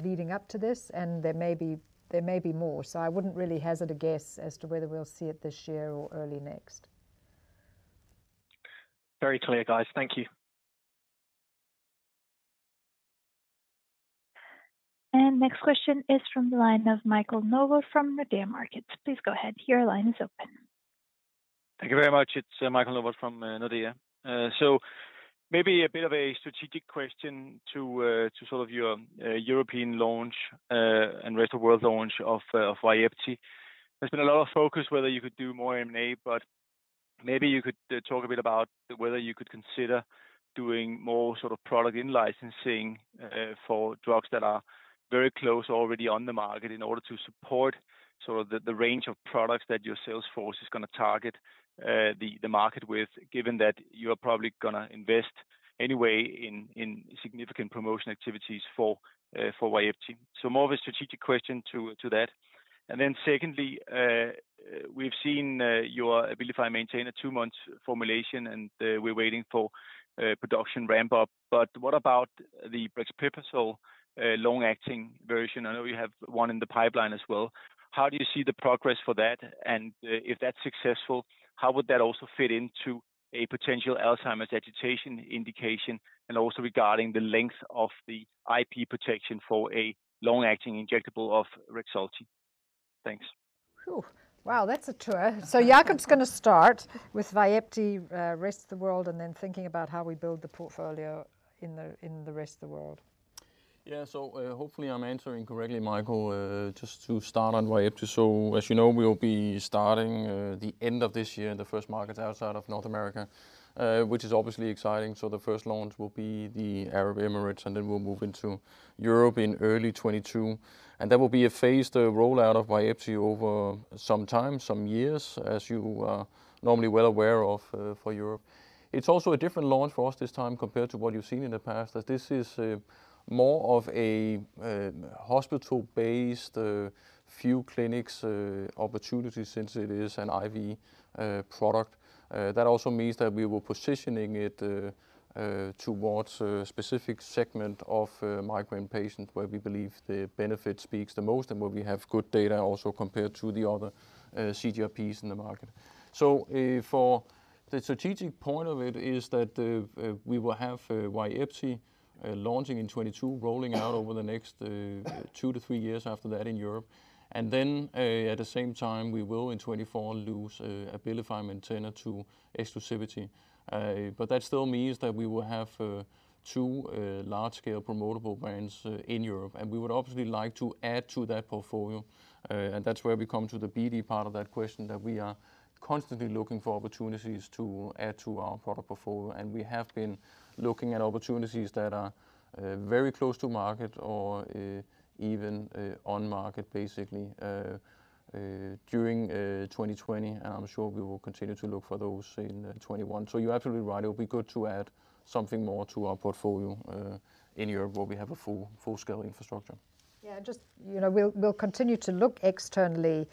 leading up to this. There may be more. I wouldn't really hazard a guess as to whether we'll see it this year or early next. Very clear, guys. Thank you. Next question is from the line of Michael Novod from Nordea Markets. Please go ahead. Your line is open. Thank you very much. It's Michael Novod from Nordea. Maybe a bit of a strategic question to sort of your European launch and rest of world launch of VYEPTI. There's been a lot of focus whether you could do more M&A. Maybe you could talk a bit about whether you could consider doing more product in-licensing for drugs that are very close already on the market in order to support the range of products that your sales force is going to target the market with, given that you are probably going to invest anyway in significant promotion activities for VYEPTI. More of a strategic question to that. Secondly, we've seen your ABILIFY MAINTENA two months formulation, and we're waiting for production ramp-up. What about the brexpiprazole long-acting version? I know you have one in the pipeline as well. How do you see the progress for that? If that's successful, how would that also fit into a potential Alzheimer's agitation indication, and also regarding the length of the IP protection for a long-acting injectable of REXULTI? Thanks. Whew. Wow, that's a tour. Jacob is going to start with VYEPTI, rest of the world, and then thinking about how we build the portfolio in the rest of the world. Yeah. Hopefully I'm answering correctly, Michael. Just to start on VYEPTI, as you know, we'll be starting the end of this year in the first markets outside of North America, which is obviously exciting. The first launch will be the Arab Emirates, and then we'll move into Europe in early 2022. That will be a phased rollout of VYEPTI over some time, some years, as you are normally well aware of for Europe. It's also a different launch for us this time compared to what you've seen in the past, that this is more of a hospital-based, few clinics opportunity since it is an IV product. That also means that we were positioning it towards a specific segment of micro-inpatient where we believe the benefit speaks the most and where we have good data also compared to the other CGRPs in the market. For the strategic point of it is that we will have VYEPTI launching in 2022, rolling out over the next two to three years after that in Europe. At the same time, we will, in 2024, lose ABILIFY MAINTENA to exclusivity. That still means that we will have two large-scale promotable brands in Europe, and we would obviously like to add to that portfolio. That is where we come to the BD part of that question, that we are constantly looking for opportunities to add to our product portfolio. We have been looking at opportunities that are very close to market or even on market, basically, during 2020, and I am sure we will continue to look for those in 2021. You are absolutely right. It would be good to add something more to our portfolio in Europe where we have a full-scale infrastructure. Yeah, we'll continue to look externally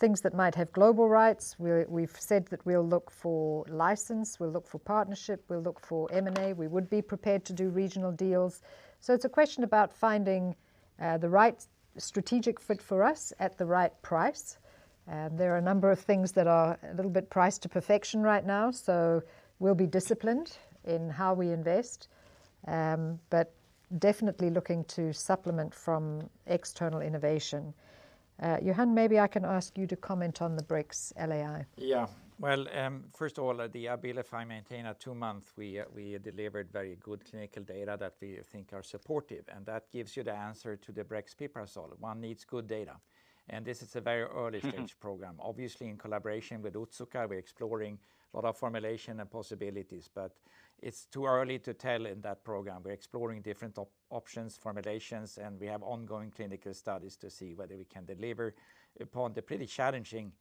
things that might have global rights. We've said that we'll look for license, we'll look for partnership, we'll look for M&A. We would be prepared to do regional deals. It's a question about finding the right strategic fit for us at the right price. There are a number of things that are a little bit priced to perfection right now, we'll be disciplined in how we invest. Definitely looking to supplement from external innovation. Johan, maybe I can ask you to comment on the Brex LAI. Well, first of all, the ABILIFY MAINTENA two month, we delivered very good clinical data that we think are supportive, and that gives you the answer to the brexpiprazole. One needs good data. This is a very early-stage program. Obviously, in collaboration with Otsuka, we're exploring a lot of formulation and possibilities, but it's too early to tell in that program. We're exploring different options, formulations, and we have ongoing clinical studies to see whether we can deliver upon the pretty challenging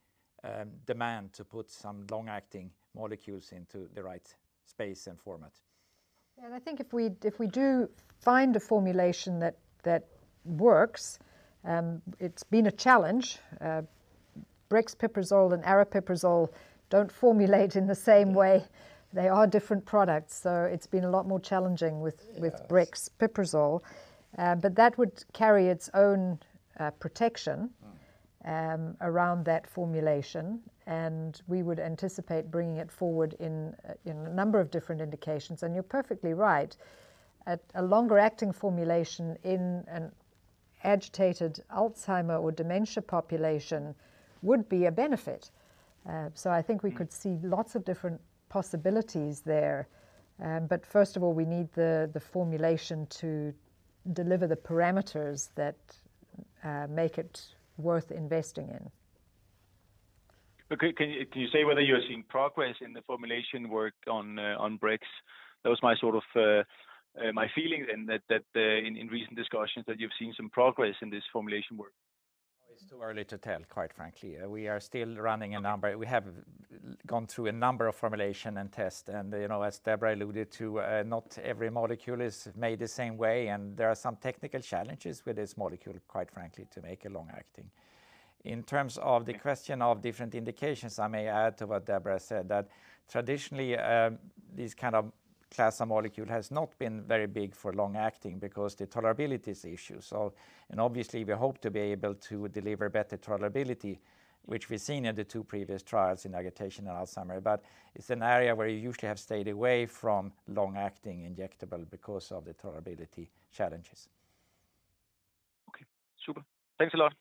demand to put some long-acting molecules into the right space and format. I think if we do find a formulation that works, it's been a challenge. Brexpiprazole and aripiprazole don't formulate in the same way. They are different products. It's been a lot more challenging with brexpiprazole. That would carry its own protection around that formulation, and we would anticipate bringing it forward in a number of different indications. You're perfectly right. A longer-acting formulation in an agitated Alzheimer or dementia population would be a benefit. I think we could see lots of different possibilities there. First of all, we need the formulation to deliver the parameters that make it worth investing in. Okay. Can you say whether you're seeing progress in the formulation work on BRX? That was my feeling in recent discussions that you've seen some progress in this formulation work. It's too early to tell, quite frankly. We are still running a number. We have gone through a number of formulation and tests, and as Deborah alluded to, not every molecule is made the same way, and there are some technical challenges with this molecule, quite frankly, to make it long acting. In terms of the question of different indications, I may add to what Deborah said, that traditionally, this kind of class of molecule has not been very big for long acting because the tolerability is an issue. Obviously, we hope to be able to deliver better tolerability, which we've seen in the two previous trials in agitation and Alzheimer's. It's an area where you usually have stayed away from long-acting injectable because of the tolerability challenges. Okay, super. Thanks a lot.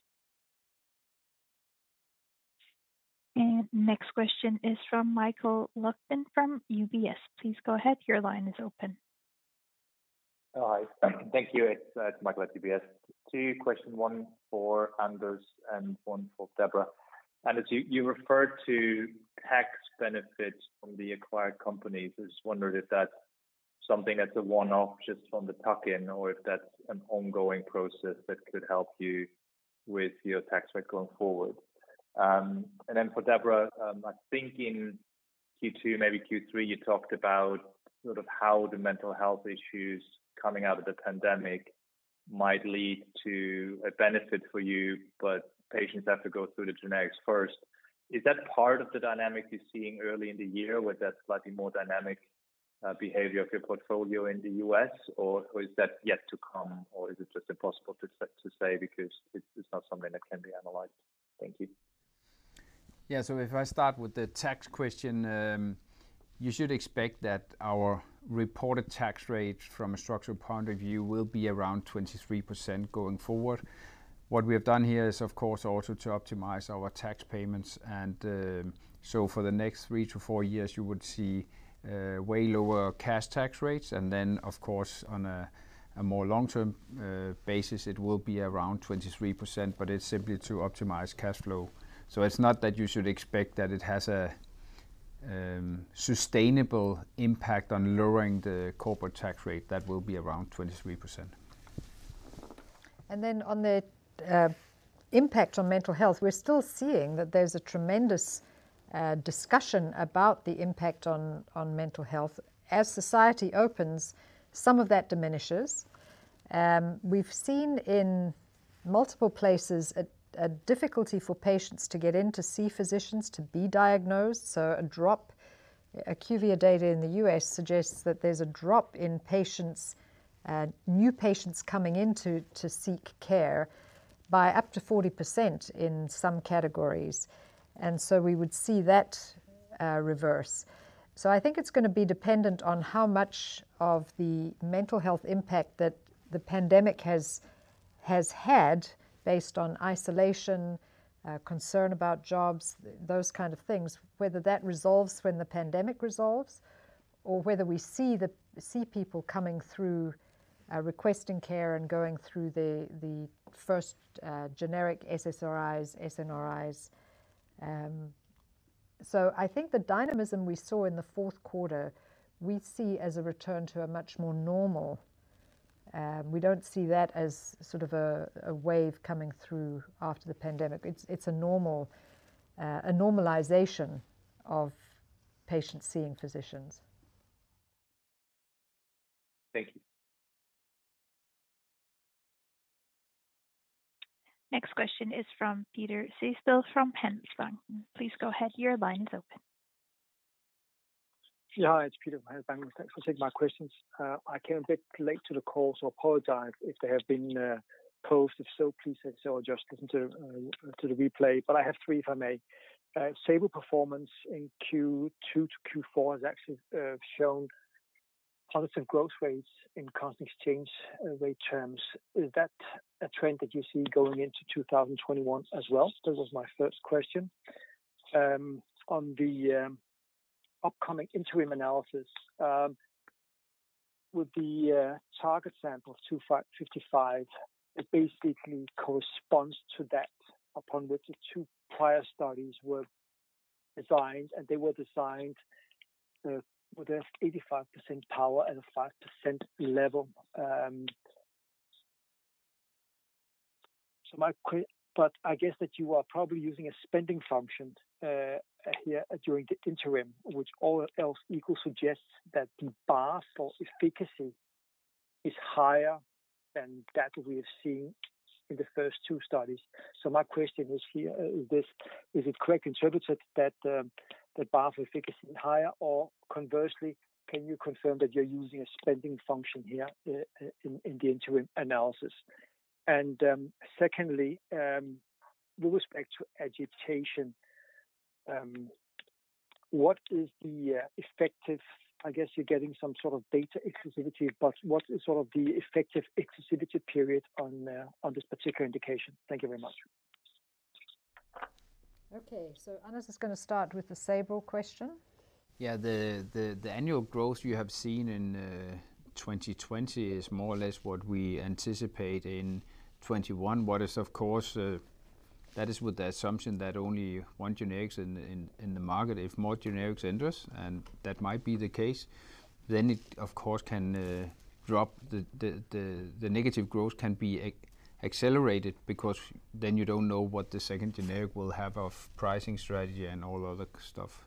Next question is from Michael Leuchten from UBS. Please go ahead, your line is open. Hi. Thank you. It's Michael at UBS. Two questions, one for Anders and one for Deborah. Anders, you referred to tax benefits from the acquired companies. I just wondered if that's something that's a one-off just from the tuck-in, or if that's an ongoing process that could help you with your tax rate going forward. For Deborah, I think in Q2, maybe Q3, you talked about how the mental health issues coming out of the pandemic might lead to a benefit for you, but patients have to go through the generics first. Is that part of the dynamic you're seeing early in the year with that slightly more dynamic behavior of your portfolio in the U.S., or is that yet to come, or is it just impossible to say because it's not something that can be analyzed? Thank you. Yeah. If I start with the tax question, you should expect that our reported tax rate from a structural point of view will be around 23% going forward. What we have done here is, of course, also to optimize our tax payments. For the next three to four years, you would see way lower cash tax rates. Of course, on a more long-term basis, it will be around 23%, but it is simply to optimize cash flow. It is not that you should expect that it has a sustainable impact on lowering the corporate tax rate. That will be around 23%. On the impact on mental health, we're still seeing that there's a tremendous discussion about the impact on mental health. As society opens, some of that diminishes. We've seen in multiple places a difficulty for patients to get in to see physicians to be diagnosed. So, a drop of IQVIA data in the U.S. suggests that there's a drop in new patients coming in to seek care by up to 40% in some categories. We would see that reverse. I think it's going to be dependent on how much of the mental health impact that the pandemic has had based on isolation, concern about jobs, those kind of things, whether that resolves when the pandemic resolves, or whether we see people coming through requesting care and going through the first generic SSRIs, SNRIs. I think the dynamism we saw in the fourth quarter; we see as a return to a much more normal. We don't see that as sort of a wave coming through after the pandemic. It's a normalization of patients seeing physicians. Thank you. Next question is from Peter Sehested from Handelsbanken. Please go ahead, your line is open. Yeah. It's Peter from Handelsbanken. Thanks for taking my questions. Apologize if they have been posed. If so, please say so. I'll just listen to the replay. I have three, if I may. Sabril performance in Q2 to Q4 has actually shown positive growth rates in constant exchange rate terms. Is that a trend that you see going into 2021 as well? This was my first question. On the upcoming interim analysis with the target sample 255, it basically corresponds to that upon which the two prior studies were designed, and they were designed with an 85% power and a 5% level. I guess that you are probably using a spending function here during the interim, which all else equal suggests that the BAF or efficacy is higher than that we have seen in the first two studies. My question is this: Is it correct interpreted that BAF efficacy is higher? Conversely, can you confirm that you're using a spending function here in the interim analysis? Secondly, with respect to agitation, I guess you're getting some sort of data exclusivity, but what is sort of the effective exclusivity period on this particular indication? Thank you very much. Okay. Anders is going to start with the Sabril question. Yeah. The annual growth you have seen in 2020 is more or less what we anticipate in 2021. That is with the assumption that only one generic is in the market. If more generics enters, and that might be the case, it, of course, can drop. The negative growth can be accelerated because then you don't know what the second generic will have of pricing strategy and all other stuff.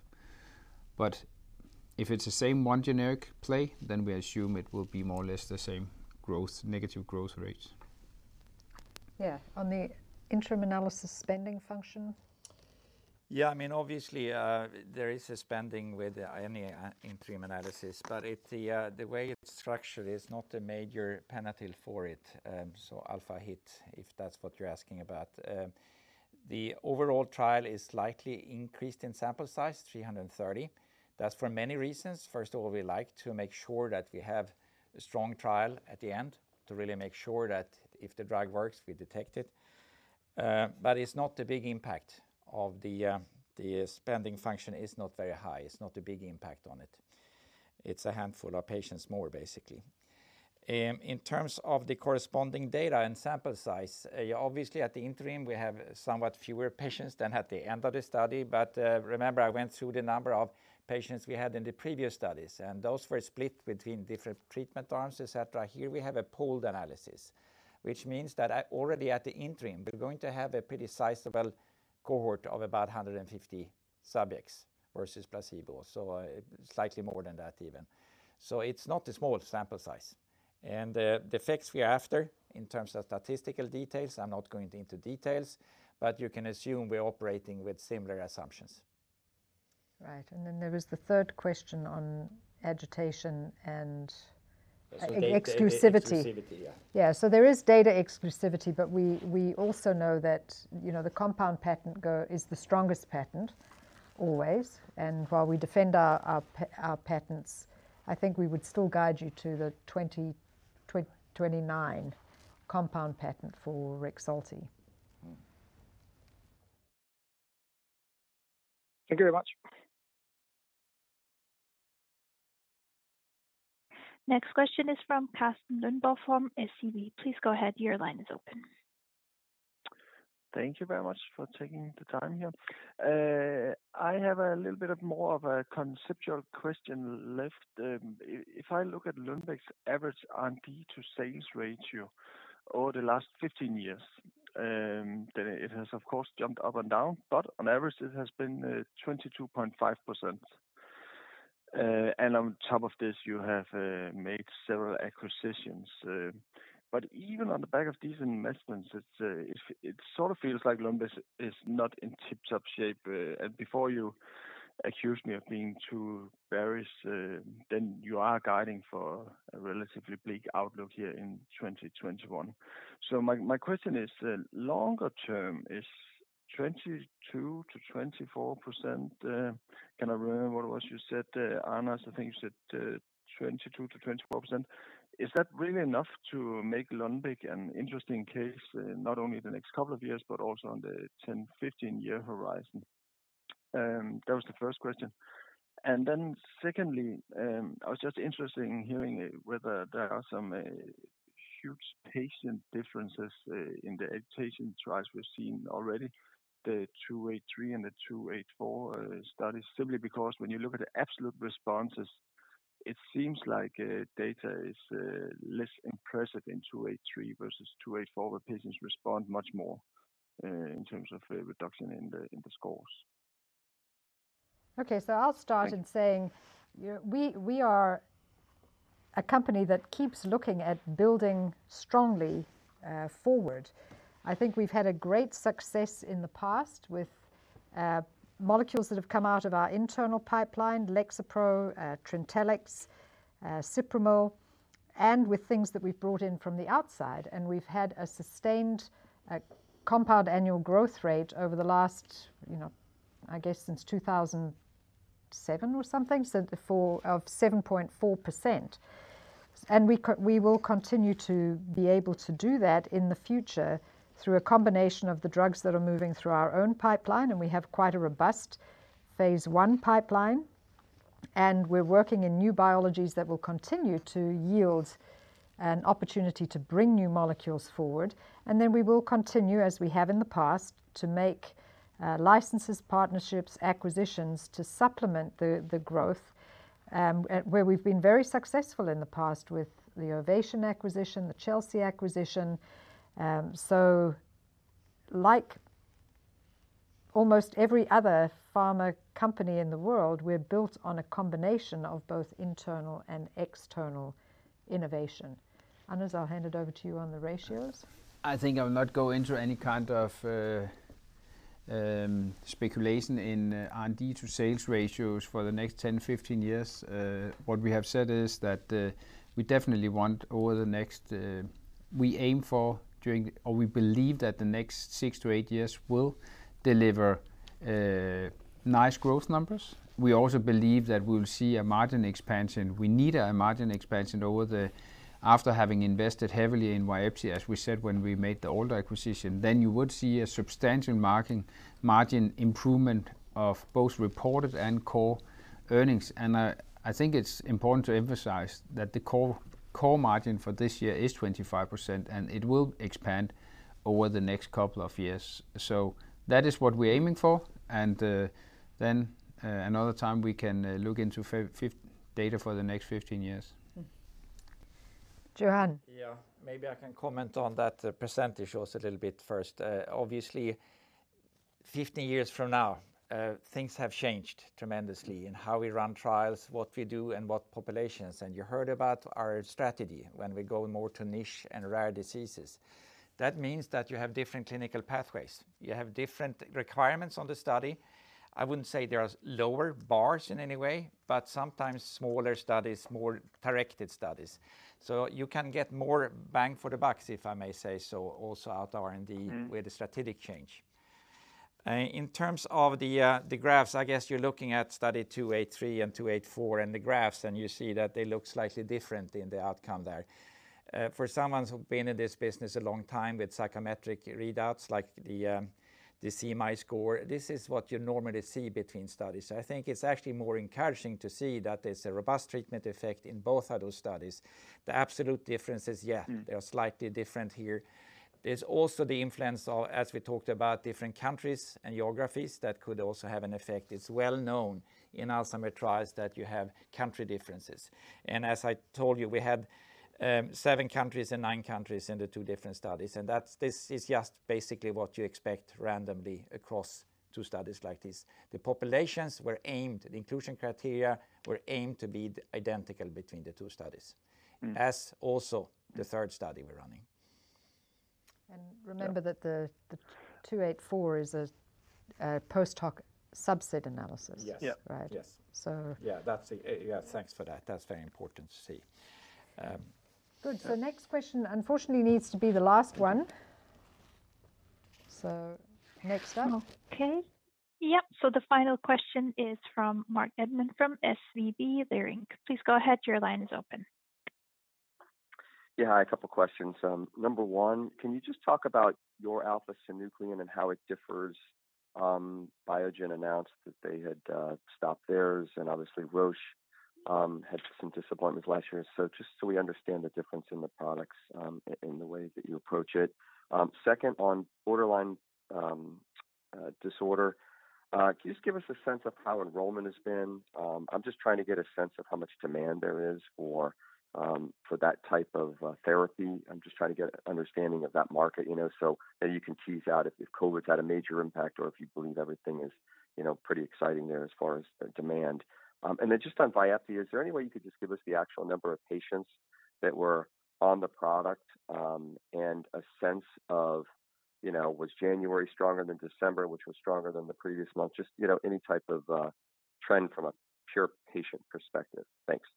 If it's the same one generic play, then we assume it will be more or less the same negative growth rates. Yeah. On the interim analysis spending function. Obviously, there is a spending with any interim analysis, but the way it's structured is not a major penalty for it. Alpha hit, if that's what you're asking about. The overall trial is slightly increased in sample size, 330. That's for many reasons. First of all, we like to make sure that we have a strong trial at the end to really make sure that if the drug works, we detect it. It's not a big impact of the spending function. It's not very high. It's not a big impact on it. It's a handful of patients more, basically. In terms of the corresponding data and sample size, obviously at the interim, we have somewhat fewer patients than at the end of the study. Remember, I went through the number of patients we had in the previous studies, and those were split between different treatment arms, et cetera. Here we have a pooled analysis, which means that already at the interim, we're going to have a pretty sizable cohort of about 150 subjects versus placebo, so slightly more than that even. It's not a small sample size. The effects we are after in terms of statistical details, I'm not going to into details, but you can assume we're operating with similar assumptions. Right. There was the third question on agitation and exclusivity. Exclusivity, yeah. There is data exclusivity, but we also know that the compound patent is the strongest patent always. While we defend our patents, I think we would still guide you to the 2029 compound patent for REXULTI. Thank you very much. Next question is from Carsten Lønborg from SEB. Please go ahead. Your line is open. Thank you very much for taking the time here. I have a little bit of more of a conceptual question left. If I look at Lundbeck's average R&D to sales ratio over the last 15 years, it has, of course, jumped up and down. On average, it has been 22.5%. On top of this, you have made several acquisitions. Even on the back of these investments, it sort of feels like Lundbeck is not in tip-top shape. Before you accuse me of being too bearish, you are guiding for a relatively bleak outlook here in 2021. My question is, longer term, is 22%-24%, can I remember what it was you said, Anders? I think you said 22%-24%. Is that really enough to make Lundbeck an interesting case, not only the next couple of years, but also on the 10, 15-year horizon? That was the first question. Secondly, I was just interested in hearing whether there are some huge patient differences in the agitation trials we've seen already, the 283 and the 284 studies. Simply because when you look at the absolute responses, it seems like data is less impressive in 283 versus 284, where patients respond much more in terms of reduction in the scores. Okay. I'll start in saying we are a company that keeps looking at building strongly forward. I think we've had a great success in the past with molecules that have come out of our internal pipeline, Lexapro, TRINTELLIX, Cipralex, and with things that we've brought in from the outside, we've had a sustained compound annual growth rate over the last, I guess since 2007 or something, of 7.4%. We will continue to be able to do that in the future through a combination of the drugs that are moving through our own pipeline, and we have quite a robust phase I pipeline, and we're working in new biologies that will continue to yield an opportunity to bring new molecules forward. We will continue, as we have in the past, to make licenses, partnerships, acquisitions to supplement the growth, where we've been very successful in the past with the Ovation acquisition, the Chelsea acquisition. Like almost every other pharma company in the world, we're built on a combination of both internal and external innovation. Anders, I'll hand it over to you on the ratios. I think I will not go into any kind of speculation in R&D to sales ratios for the next 10, 15 years. What we have said is that we believe that the next six to eight years will deliver nice growth numbers. We also believe that we'll see a margin expansion. We need a margin expansion after having invested heavily in VYEPTI, as we said when we made the Alder acquisition. You would see a substantial margin improvement of both reported and core EBIT. I think it's important to emphasize that the core margin for this year is 25%, and it will expand over the next couple of years. That is what we're aiming for, and then another time we can look into data for the next 15 years. Johan. Maybe I can comment on that percentage also a little bit first. Obviously, 15 years from now things have changed tremendously in how we run trials, what we do, and what populations. You heard about our strategy when we go more to niche and rare diseases. That means that you have different clinical pathways. You have different requirements on the study. I wouldn't say there are lower bars in any way, but sometimes smaller studies, more directed studies. You can get more bang for the bucks, if I may say so, also out of R&D with the strategic change. In terms of the graphs, I guess you're looking at Study 283 and 284, and the graphs, and you see that they look slightly different in the outcome there. For someone who's been in this business a long time with psychometric readouts like the CMAI score, this is what you normally see between studies. I think it's actually more encouraging to see that there's a robust treatment effect in both of those studies. The absolute differences, yeah. They are slightly different here. There's also the influence of, as we talked about, different countries and geographies that could also have an effect. It's well known in Alzheimer trials that you have country differences. As I told you, we had seven countries and nine countries in the two different studies, and this is just basically what you expect randomly across two studies like this. The inclusion criteria were aimed to be identical between the two studies. As also the third study we're running. Remember that the 284 is a post hoc subset analysis. Yes. Right.Yes. So. Yeah. Thanks for that. That's very important to see. Good. Next question unfortunately needs to be the last one. Next up. Okay. Yep. The final question is from Marc Goodman from SVB Leerink. Please go ahead. Your line is open. Yeah. Hi, a couple questions. Number one, can you just talk about your alpha-synuclein and how it differs? Biogen announced that they had stopped theirs, and obviously Roche had some disappointments last year. Just so we understand the difference in the products, in the way that you approach it. Second, on borderline disorder, can you just give us a sense of how enrollment has been? I'm just trying to get a sense of how much demand there is for that type of therapy. I'm just trying to get an understanding of that market. Maybe you can tease out if COVID's had a major impact or if you believe everything is pretty exciting there as far as demand. Then just on VYEPTI, is there any way you could just give us the actual number of patients that were on the product, and a sense of was January stronger than December, which was stronger than the previous month? Just any type of trend from a pure patient perspective. Thanks.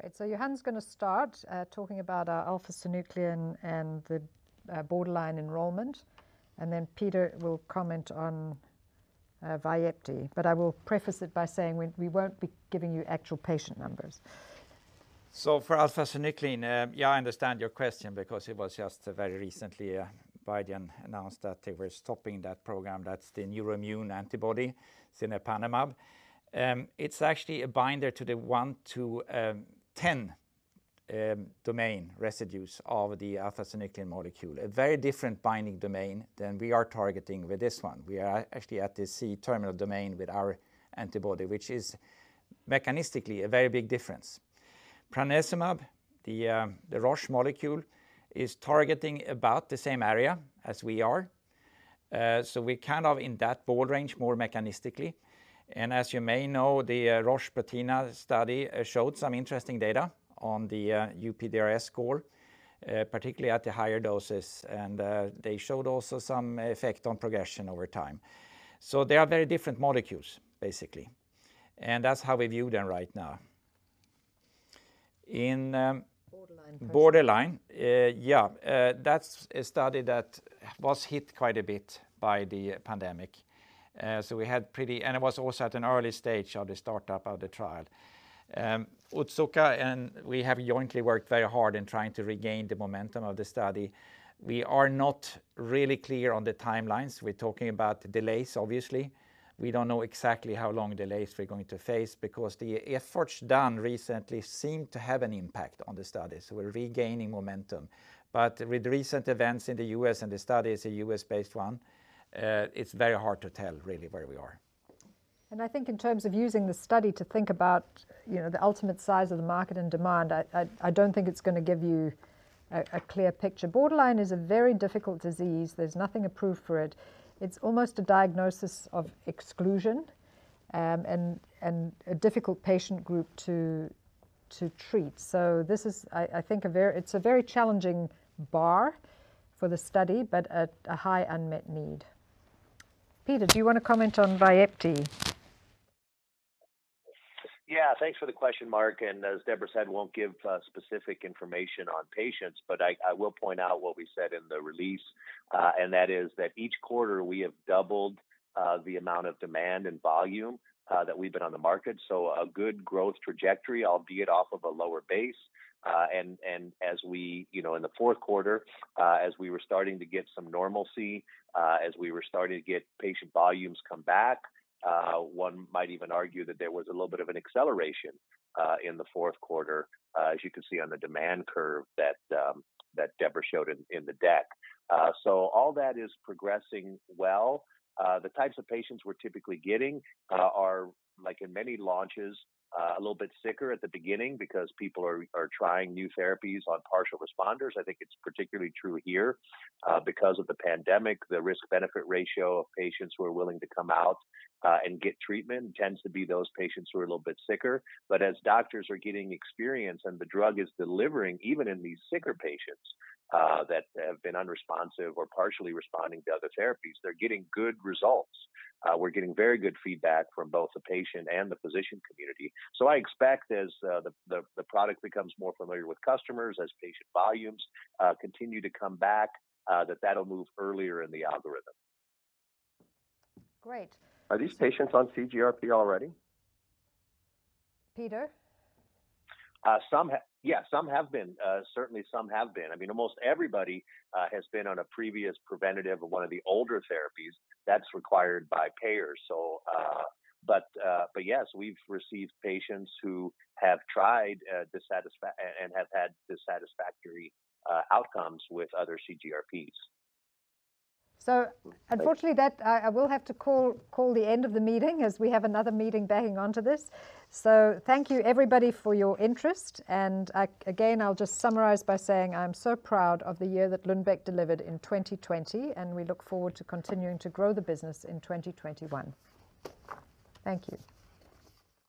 Great. Johan's going to start talking about our alpha-synuclein and the borderline enrollment, and then Peter will comment on VYEPTI. I will preface it by saying we won't be giving you actual patient numbers. For alpha-synuclein, yeah, I understand your question because it was just very recently Biogen announced that they were stopping that program. That's the Neurimmune antibody, cinpanemab. It's actually a binder to the 1 to 10 domain residues of the alpha-synuclein molecule. A very different binding domain than we are targeting with this one. We are actually at the C-terminal domain with our antibody, which is mechanistically a very big difference. Prasinezumab, the Roche molecule, is targeting about the same area as we are. We're kind of in that ball range more mechanistically. As you may know, the Roche PASADENA study showed some interesting data on the UPDRS score, particularly at the higher doses. They showed also some effect on progression over time. They are very different molecules, basically, and that's how we view them right now. In borderline, yeah. That's a study that was hit quite a bit by the pandemic. It was also at an early stage of the startup of the trial. Otsuka and we have jointly worked very hard in trying to regain the momentum of the study. We are not really clear on the timelines. We're talking about delays, obviously. We don't know exactly how long delays we're going to face because the efforts done recently seem to have an impact on the study. We're regaining momentum. With recent events in the U.S. and the study is a U.S. based one, it's very hard to tell really where we are. I think in terms of using the study to think about the ultimate size of the market and demand, I don't think it's going to give you a clear picture. Borderline is a very difficult disease. There's nothing approved for it. It's almost a diagnosis of exclusion, and a difficult patient group to treat. This is, I think, it's a very challenging bar for the study, but a high unmet need. Peter, do you want to comment on VYEPTI? Yeah. Thanks for the question, Marc, as Deborah said, won't give specific information on patients, but I will point out what we said in the release. That is that each quarter we have doubled the amount of demand and volume that we've been on the market. A good growth trajectory, albeit off of a lower base. In the fourth quarter, as we were starting to get some normalcy, as we were starting to get patient volumes come back, one might even argue that there was a little bit of an acceleration in the fourth quarter, as you can see on the demand curve that Deborah showed in the deck. All that is progressing well. The types of patients we're typically getting are, like in many launches, a little bit sicker at the beginning because people are trying new therapies on partial responders. I think it's particularly true here. Because of the pandemic, the risk-benefit ratio of patients who are willing to come out and get treatment tends to be those patients who are a little bit sicker. As doctors are getting experience and the drug is delivering, even in these sicker patients that have been unresponsive or partially responding to other therapies, they're getting good results. We're getting very good feedback from both the patient and the physician community. I expect as the product becomes more familiar with customers, as patient volumes continue to come back, that that'll move earlier in the algorithm. Great. Are these patients on CGRP already? Peter? Yeah, some have been. Certainly, some have been. I mean, almost everybody has been on a previous preventative of one of the older therapies. That's required by payers. Yes, we've received patients who have tried and have had dissatisfactory outcomes with other CGRPs. Unfortunately, I will have to call the end of the meeting, as we have another meeting bang onto this. Thank you everybody for your interest. Again, I'll just summarize by saying I'm so proud of the year that Lundbeck delivered in 2020, and we look forward to continuing to grow the business in 2021. Thank you.